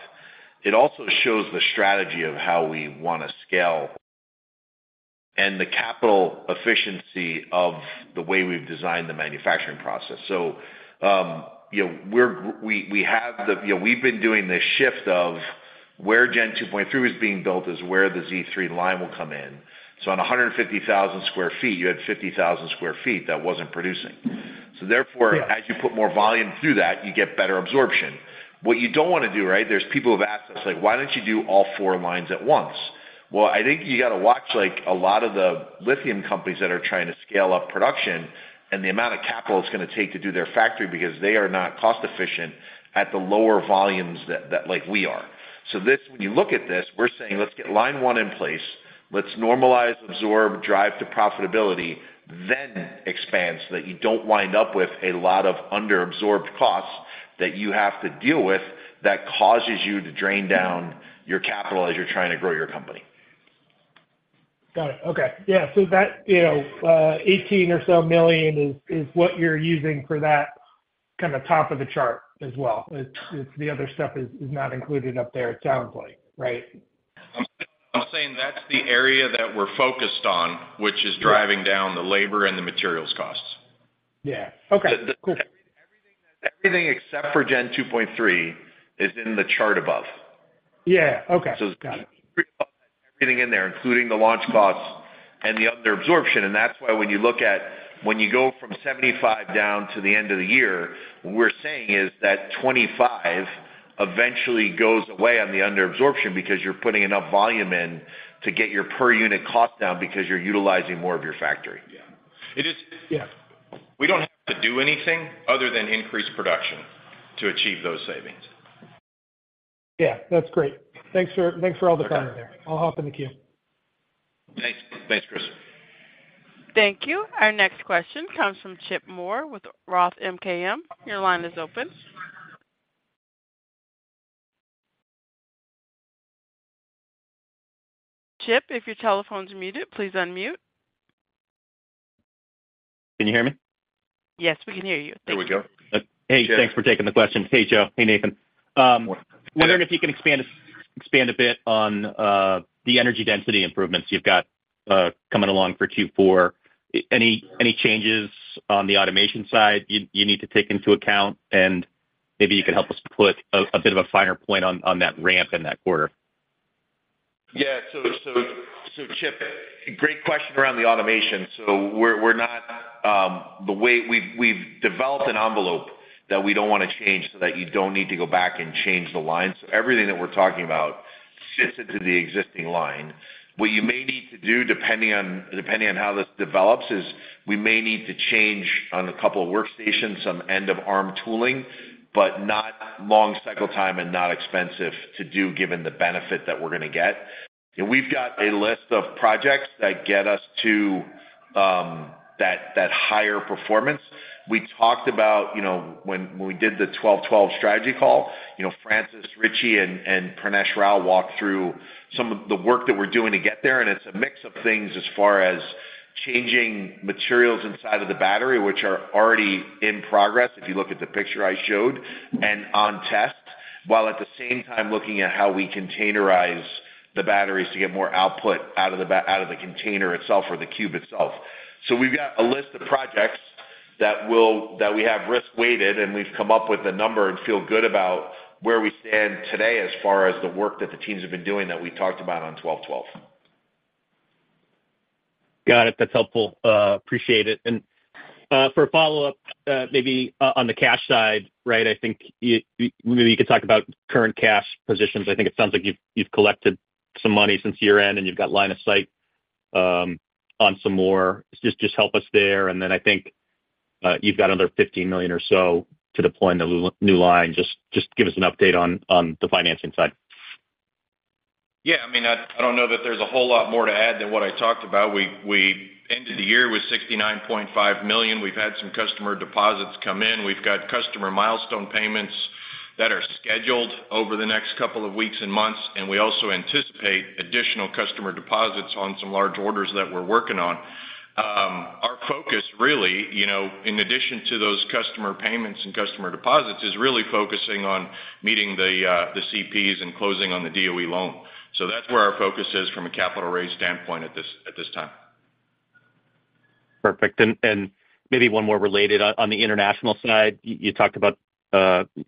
it also shows the strategy of how we wanna scale and the capital efficiency of the way we've designed the manufacturing process. So, you know, we have the—you know, we've been doing this shift of where Gen 2.3 is being built is where the Z3 line will come in. So on 150,000 sq ft, you had 50,000 sq ft that wasn't producing. So therefore, as you put more volume through that, you get better absorption. What you don't wanna do, right, there's people who have asked us, like, "Why don't you do all four lines at once?" Well, I think you got to watch, like, a lot of the lithium companies that are trying to scale up production and the amount of capital it's gonna take to do their factory because they are not cost-efficient at the lower volumes that like we are. So this, when you look at this, we're saying, "Let's get line one in place. Let's normalize, absorb, drive to profitability, then expand, so that you don't wind up with a lot of under-absorbed costs that you have to deal with, that causes you to drain down your capital as you're trying to grow your company. Got it. Okay. Yeah, so that, you know, $18 million or so is what you're using for that kind of top of the chart as well. It's the other stuff is not included up there, it sounds like, right? I'm saying that's the area that we're focused on, which is driving down the labor and the materials costs. Yeah. Okay, cool. Everything except for Gen 2.3 is in the chart above. Yeah. Okay. Got it. Everything in there, including the launch costs and the under absorption. And that's why when you look at, when you go from 75 down to the end of the year, what we're saying is that 25 eventually goes away on the under absorption, because you're putting enough volume in to get your per unit cost down, because you're utilizing more of your factory. Yeah. It is- Yeah. We don't have to do anything other than increase production to achieve those savings. Yeah, that's great. Thanks for, thanks for all the time there. I'll hop in the queue. Thanks. Thanks, Chris. Thank you. Our next question comes from Chip Moore with Roth MKM. Your line is open. Chip, if your telephone's muted, please unmute. Can you hear me? Yes, we can hear you. There we go. Hey, thanks for taking the question. Hey, Joe. Hey, Nathan. Wondering if you can expand a bit on the energy density improvements you've got coming along for Q4. Any changes on the automation side you need to take into account? And maybe you can help us put a bit of a finer point on that ramp in that quarter. Yeah. So, Chip, great question around the automation. So we're not the way we've developed an envelope that we don't wanna change, so that you don't need to go back and change the line. So everything that we're talking about fits into the existing line. What you may need to do, depending on how this develops, is we may need to change on a couple of workstations, some end of arm tooling, but not long cycle time and not expensive to do, given the benefit that we're gonna get. And we've got a list of projects that get us to that higher performance. We talked about, you know, when, when we did the 12/12 Strategy Call, you know, Francis Richey and, and Pranesh Rao walked through some of the work that we're doing to get there, and it's a mix of things as far as changing materials inside of the battery, which are already in progress, if you look at the picture I showed, and on test, while at the same time looking at how we containerize the batteries to get more output out of the out of the container itself or the cube itself. So we've got a list of projects that we have risk weighted, and we've come up with a number and feel good about where we stand today as far as the work that the teams have been doing, that we talked about on 12/12. Got it. That's helpful. Appreciate it. And for a follow-up, maybe on the cash side, right? I think you maybe you could talk about current cash positions. I think it sounds like you've, you've collected some money since year-end, and you've got line of sight on some more. Just, just help us there, and then I think you've got another $15 million or so to deploy in the new line. Just, just give us an update on the financing side. Yeah, I mean, I don't know that there's a whole lot more to add than what I talked about. We ended the year with $69.5 million. We've had some customer deposits come in. We've got customer milestone payments that are scheduled over the next couple of weeks and months, and we also anticipate additional customer deposits on some large orders that we're working on. Our focus really, you know, in addition to those customer payments and customer deposits, is really focusing on meeting the CPs and closing on the DOE loan. So that's where our focus is from a capital raise standpoint at this time. Perfect. And maybe one more related on the international side. You talked about,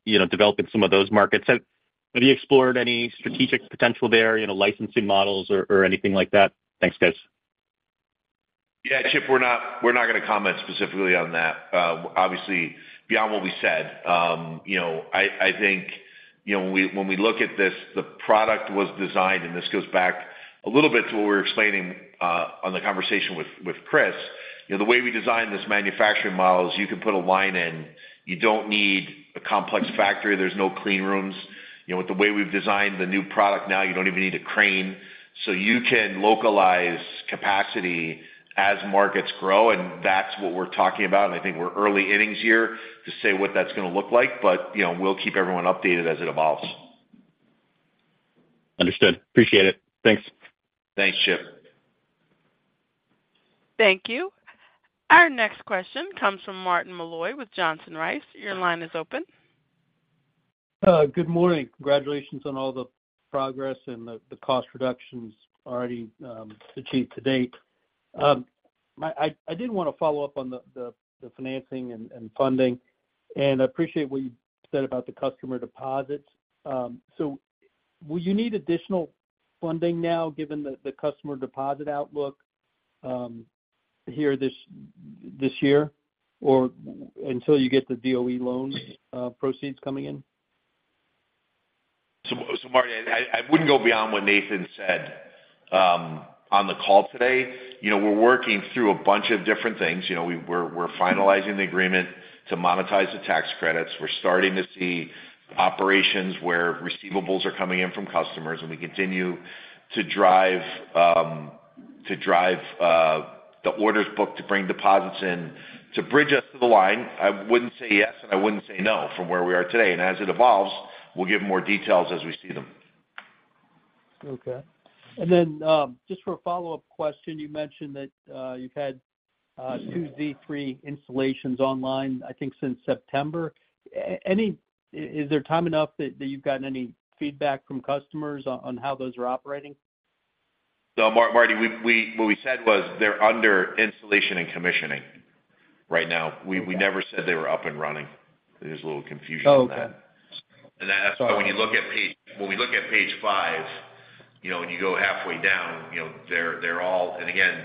you know, developing some of those markets. Have you explored any strategic potential there, you know, licensing models or anything like that? Thanks, guys. Yeah, Chip, we're not, we're not gonna comment specifically on that. Obviously, beyond what we said, you know, I think, you know, when we look at this, the product was designed, and this goes back a little bit to what we were explaining, on the conversation with Chris. You know, the way we designed this manufacturing model is you can put a line in, you don't need a complex factory, there's no clean rooms. You know, with the way we've designed the new product now, you don't even need a crane. So you can localize capacity as markets grow, and that's what we're talking about. And I think we're early innings here to say what that's gonna look like, but, you know, we'll keep everyone updated as it evolves. Understood. Appreciate it. Thanks. Thanks, Chip. Thank you. Our next question comes from Martin Malloy with Johnson Rice. Your line is open. Good morning. Congratulations on all the progress and the cost reductions already achieved to date. I did wanna follow up on the financing and funding, and I appreciate what you said about the customer deposits. So will you need additional funding now, given the customer deposit outlook here this year, or until you get the DOE loans proceeds coming in? So, Martin, I wouldn't go beyond what Nathan said on the call today. You know, we're working through a bunch of different things. You know, we're finalizing the agreement to monetize the tax credits. We're starting to see operations where receivables are coming in from customers, and we continue to drive to drive the orders book to bring deposits in. To bridge us to the line, I wouldn't say yes, and I wouldn't say no from where we are today. As it evolves, we'll give more details as we see them. Okay. And then, just for a follow-up question, you mentioned that you've had two Z3 installations online, I think, since September. Any... Is there time enough that you've gotten any feedback from customers on how those are operating? So Marty, what we said was they're under installation and commissioning right now. We never said they were up and running. There's a little confusion in that. Oh, okay. That's why when you look at page, when we look at page five, you know, when you go halfway down, you know, they're, they're all... And again,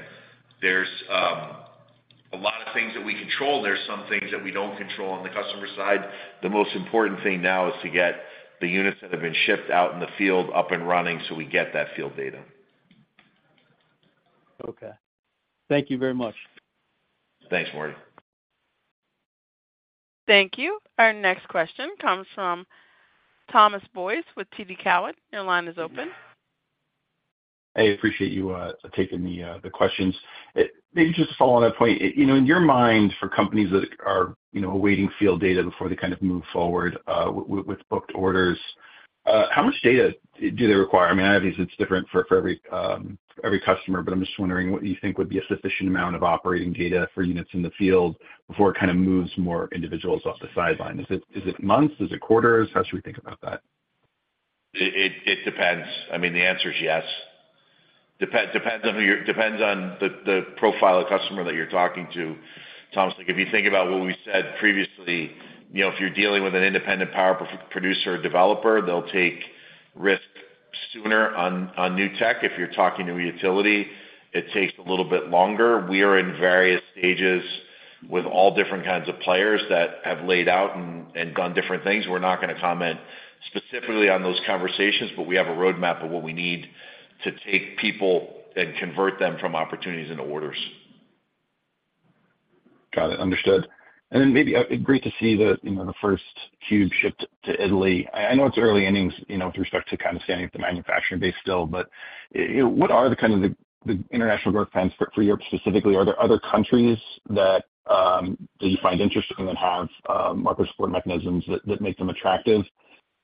there's a lot of things that we control, there are some things that we don't control on the customer side. The most important thing now is to get the units that have been shipped out in the field, up and running, so we get that field data. Okay. Thank you very much. Thanks, Marty. Thank you. Our next question comes from Thomas Boyes with TD Cowen. Your line is open. I appreciate you taking the questions. Maybe just to follow on that point, you know, in your mind, for companies that are, you know, awaiting field data before they kind of move forward with booked orders, how much data do they require? I mean, obviously, it's different for every customer, but I'm just wondering, what do you think would be a sufficient amount of operating data for units in the field before it kind of moves more individuals off the sideline? Is it, is it months? Is it quarters? How should we think about that? It depends. I mean, the answer is yes. It depends on who you're talking to, depends on the profile of the customer that you're talking to, Thomas. Like, if you think about what we said previously, you know, if you're dealing with an independent power producer or developer, they'll take risk sooner on new tech. If you're talking to a utility, it takes a little bit longer. We are in various stages with all different kinds of players that have laid out and done different things. We're not going to comment specifically on those conversations, but we have a roadmap of what we need to take people and convert them from opportunities into orders. Got it. Understood. And then maybe great to see the, you know, the first cube shipped to Italy. I know it's early innings, you know, with respect to kind of standing up the manufacturing base still, but you know, what are the kind of the international growth plans for Europe specifically? Are there other countries that you find interesting and that have market support mechanisms that make them attractive?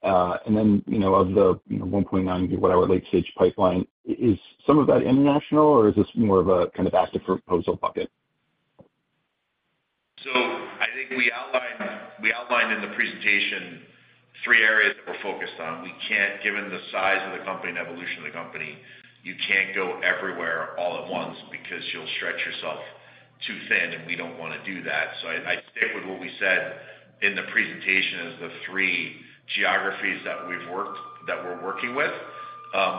And then, you know, of the 1.9 GWh late stage pipeline, is some of that international or is this more of a kind of ask for proposal bucket? So I think we outlined in the presentation three areas that we're focused on. We can't, given the size of the company and evolution of the company, you can't go everywhere all at once because you'll stretch yourself too thin, and we don't want to do that. So I'd stick with what we said in the presentation as the three geographies that we're working with.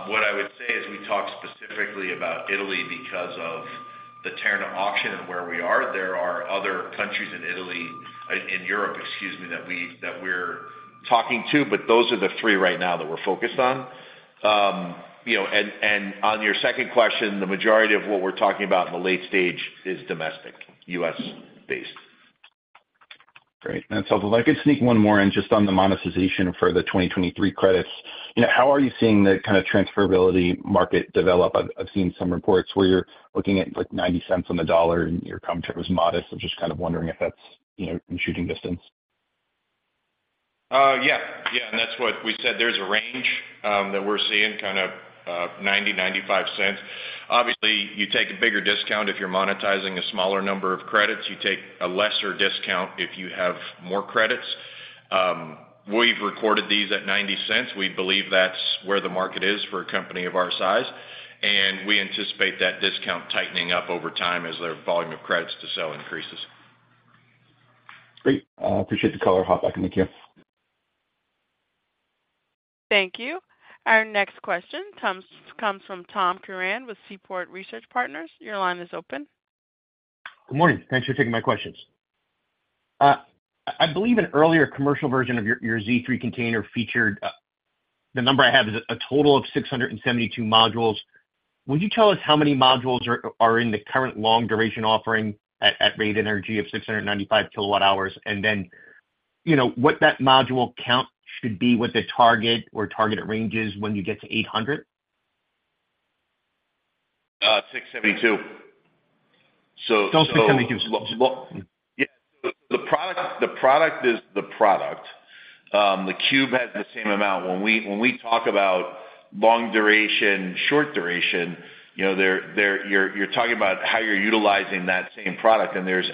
What I would say is, we talked specifically about Italy because of the Terna auction and where we are. There are other countries in Italy, in Europe, excuse me, that we're talking to, but those are the three right now that we're focused on. You know, and on your second question, the majority of what we're talking about in the late stage is domestic, U.S.-based. Great. That's helpful. If I could sneak one more in, just on the monetization for the 2023 credits. You know, how are you seeing the kind of transferability market develop? I've, I've seen some reports where you're looking at, like, $0.90 on the dollar and your comp term was modest. I'm just kind of wondering if that's, you know, in shooting distance. Yeah. Yeah, and that's what we said. There's a range that we're seeing, kind of, $0.90-$0.95. Obviously, you take a bigger discount if you're monetizing a smaller number of credits. You take a lesser discount if you have more credits. We've recorded these at $0.90. We believe that's where the market is for a company of our size, and we anticipate that discount tightening up over time as their volume of credits to sell increases. Great. I appreciate the call. I'll hop back in. Thank you. Thank you. Our next question comes from Tom Curran with Seaport Research Partners. Your line is open. Good morning. Thanks for taking my questions. I believe an earlier commercial version of your Z3 container featured the number I have is a total of 672 modules. Would you tell us how many modules are in the current long duration offering at Eos Energy of 695 kWh? And then, you know, what that module count should be, what the target or targeted range is when you get to 800k Wh? 672 kWh. So, so- 672 kWh. Well, yeah, the product, the product is the product. The cube has the same amount. When we talk about long duration, short duration, you know, you're talking about how you're utilizing that same product, and there's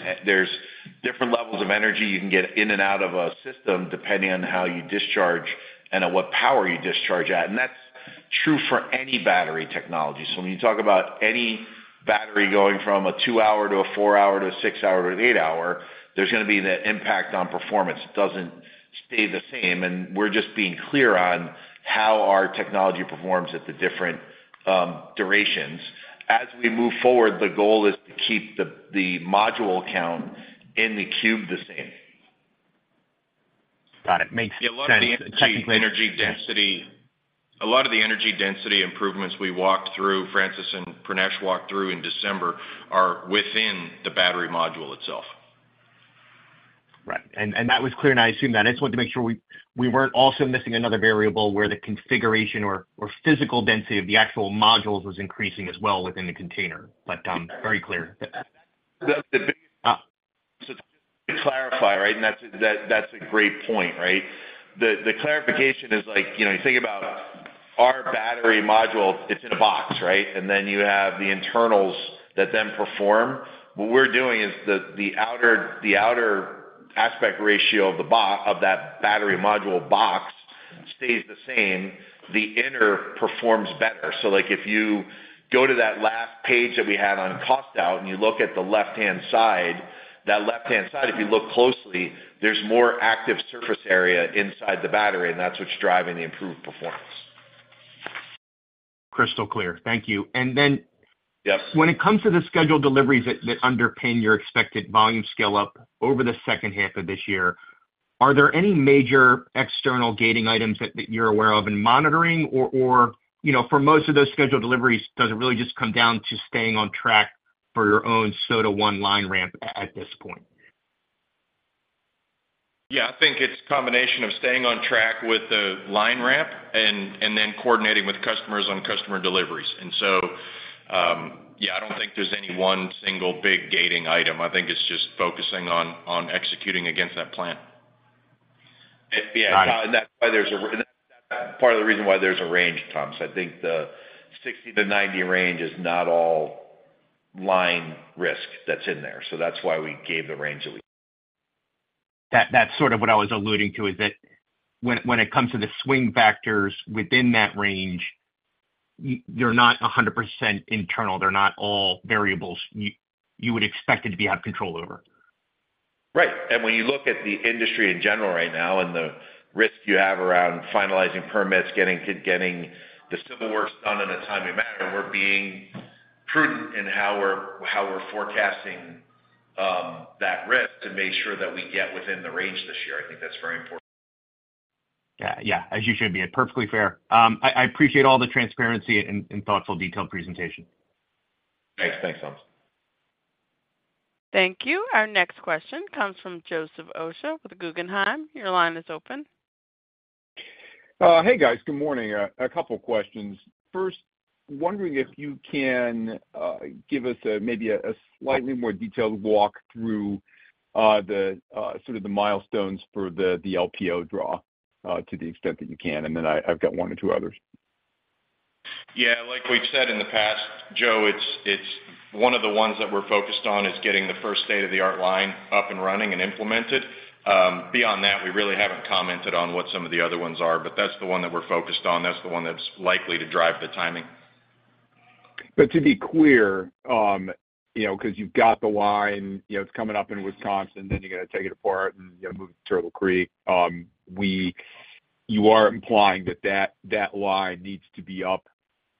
different levels of energy you can get in and out of a system, depending on how you discharge and at what power you discharge at. And that's true for any battery technology. So when you talk about any battery going from a 2-hour to a 4-hour to a 6-hour to an 8-hour, there's gonna be that impact on performance. It doesn't stay the same, and we're just being clear on how our technology performs at the different durations. As we move forward, the goal is to keep the module count in the cube the same. Got it. Makes sense. A lot of the energy density improvements we walked through, Francis and Pranesh walked through in December, are within the battery module itself. Right. And that was clear, and I assume that. I just wanted to make sure we weren't also missing another variable where the configuration or physical density of the actual modules was increasing as well within the container. But, very clear. That's the big. Uh. So to clarify, right, and that's a great point, right? The clarification is like, you know, you think about our battery module, it's in a box, right? And then you have the internals that then perform. What we're doing is the outer aspect ratio of that battery module box stays the same, the inner performs better. So like, if you go to that last page that we had on cost out, and you look at the left-hand side, that left-hand side, if you look closely, there's more active surface area inside the battery, and that's what's driving the improved performance. Crystal clear. Thank you. And then- Yes. When it comes to the scheduled deliveries that underpin your expected volume scale up over the second half of this year, are there any major external gating items that you're aware of and monitoring or, you know, for most of those scheduled deliveries, does it really just come down to staying on track for your own Z3 line ramp at this point? Yeah, I think it's a combination of staying on track with the line ramp and then coordinating with customers on customer deliveries. And so, yeah, I don't think there's any one single big gating item. I think it's just focusing on executing against that plan. And yeah, Tom, and that's why there's part of the reason why there's a range, Tom. So I think the 60-90 range is not all line risk that's in there, so that's why we gave the range that we gave. That, that's sort of what I was alluding to, is that when it comes to the swing factors within that range, they're not 100% internal. They're not all variables you would expect it to be out of control over. Right. And when you look at the industry in general right now, and the risk you have around finalizing permits, getting the civil works done in a timely manner, we're being prudent in how we're forecasting that risk to make sure that we get within the range this year. I think that's very important. Yeah, yeah, as you should be. Perfectly fair. I appreciate all the transparency and thoughtful, detailed presentation. Thanks. Thanks, Tom. Thank you. Our next question comes from Joseph Osha with Guggenheim. Your line is open. Hey, guys. Good morning. A couple of questions. First, wondering if you can give us a maybe a slightly more detailed walk through the sort of the milestones for the LPO draw, to the extent that you can, and then I've got one or two others. Yeah, like we've said in the past, Joe, it's one of the ones that we're focused on is getting the first state-of-the-art line up and running and implemented. Beyond that, we really haven't commented on what some of the other ones are, but that's the one that we're focused on. That's the one that's likely to drive the timing. But to be clear, you know, 'cause you've got the line, you know, it's coming up in Wisconsin, then you're gonna take it apart and, you know, move to Turtle Creek. You are implying that that line needs to be up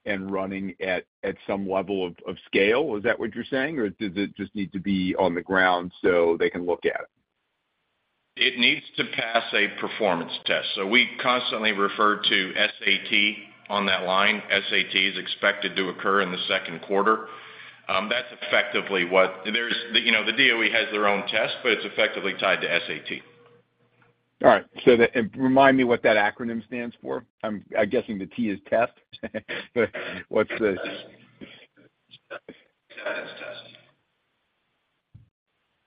and running at some level of scale? Is that what you're saying, or does it just need to be on the ground so they can look at it? It needs to pass a performance test. So we constantly refer to SAT on that line. SAT is expected to occur in the second quarter. That's effectively what... There's, you know, the DOE has their own test, but it's effectively tied to SAT. All right. So the, Remind me what that acronym stands for. I'm guessing the T is test, but what's the- [audio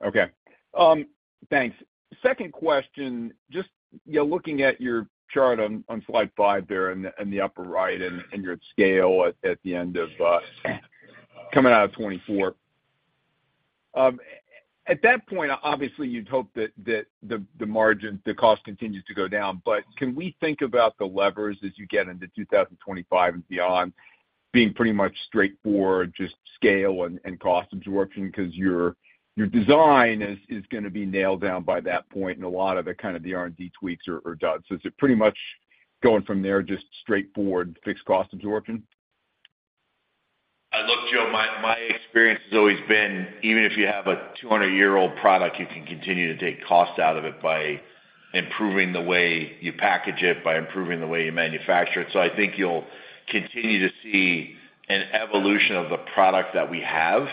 distoriton] Okay. Thanks. Second question, just, you know, looking at your chart on, on slide five there in the, in the upper right, and, and your scale at, at the end of, coming out of 2024. At that point, obviously, you'd hope that, that the, the margin, the cost continues to go down. But can we think about the levers as you get into 2025 and beyond being pretty much straightforward, just scale and, and cost absorption? 'Cause your, your design is, is gonna be nailed down by that point, and a lot of the kind of the R&D tweaks are, are done. So is it pretty much going from there, just straightforward fixed cost absorption? Look, Joe, my experience has always been, even if you have a 200-year-old product, you can continue to take cost out of it by improving the way you package it, by improving the way you manufacture it. So I think you'll continue to see an evolution of the product that we have.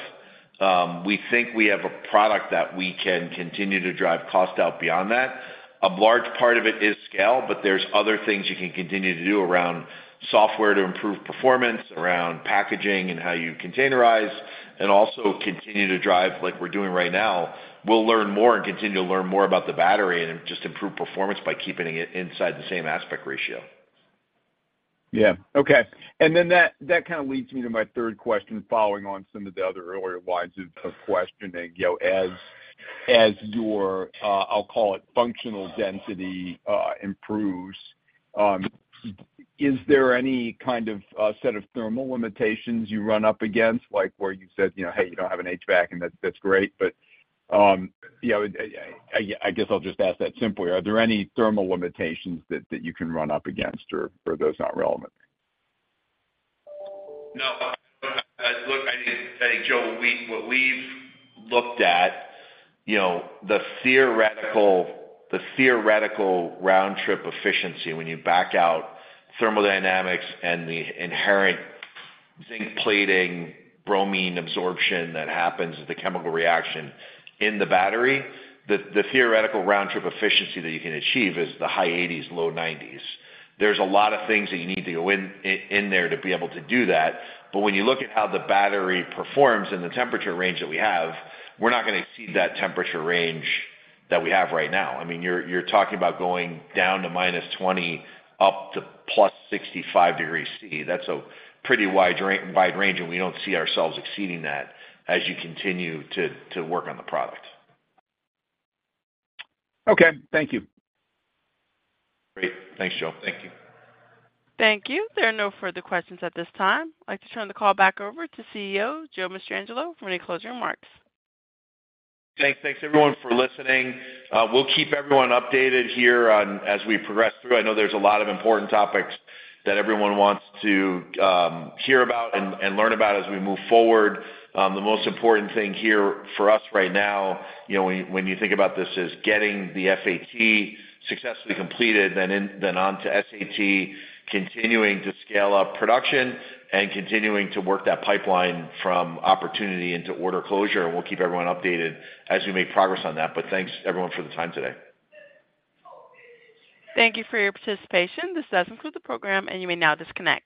We think we have a product that we can continue to drive cost out beyond that. A large part of it is scale, but there's other things you can continue to do around software to improve performance, around packaging and how you containerize, and also continue to drive like we're doing right now. We'll learn more and continue to learn more about the battery and just improve performance by keeping it inside the same aspect ratio. Yeah. Okay. And then that, that kind of leads me to my third question, following on some of the other earlier lines of, of questioning. You know, as, as your, I'll call it, functional density, improves, is there any kind of set of thermal limitations you run up against, like where you said, you know, "Hey, you don't have an HVAC," and that's, that's great. But, you know, I, I guess I'll just ask that simply: Are there any thermal limitations that, that you can run up against, or, or are those not relevant? No. Look, I, Joe, what we've looked at, you know, the theoretical round-trip efficiency, when you back out thermodynamics and the inherent zinc plating, bromine absorption that happens with the chemical reaction in the battery, the theoretical round-trip efficiency that you can achieve is the high 80s-low 90s. There's a lot of things that you need to go in there to be able to do that, but when you look at how the battery performs in the temperature range that we have, we're not gonna exceed that temperature range that we have right now. I mean, you're talking about going down to -20, up to +65 degrees Celsius. That's a pretty wide range, and we don't see ourselves exceeding that as you continue to work on the product. Okay, thank you. Great. Thanks, Joe. Thank you. Thank you. There are no further questions at this time. I'd like to turn the call back over to CEO, Joe Mastrangelo, for any closing remarks. Thanks. Thanks, everyone, for listening. We'll keep everyone updated here on as we progress through. I know there's a lot of important topics that everyone wants to hear about and, and learn about as we move forward. The most important thing here for us right now, you know, when, when you think about this, is getting the SAT successfully completed, then on to SAT, continuing to scale up production, and continuing to work that pipeline from opportunity into order closure. And we'll keep everyone updated as we make progress on that. But thanks, everyone, for the time today. Thank you for your participation. This does conclude the program, and you may now disconnect.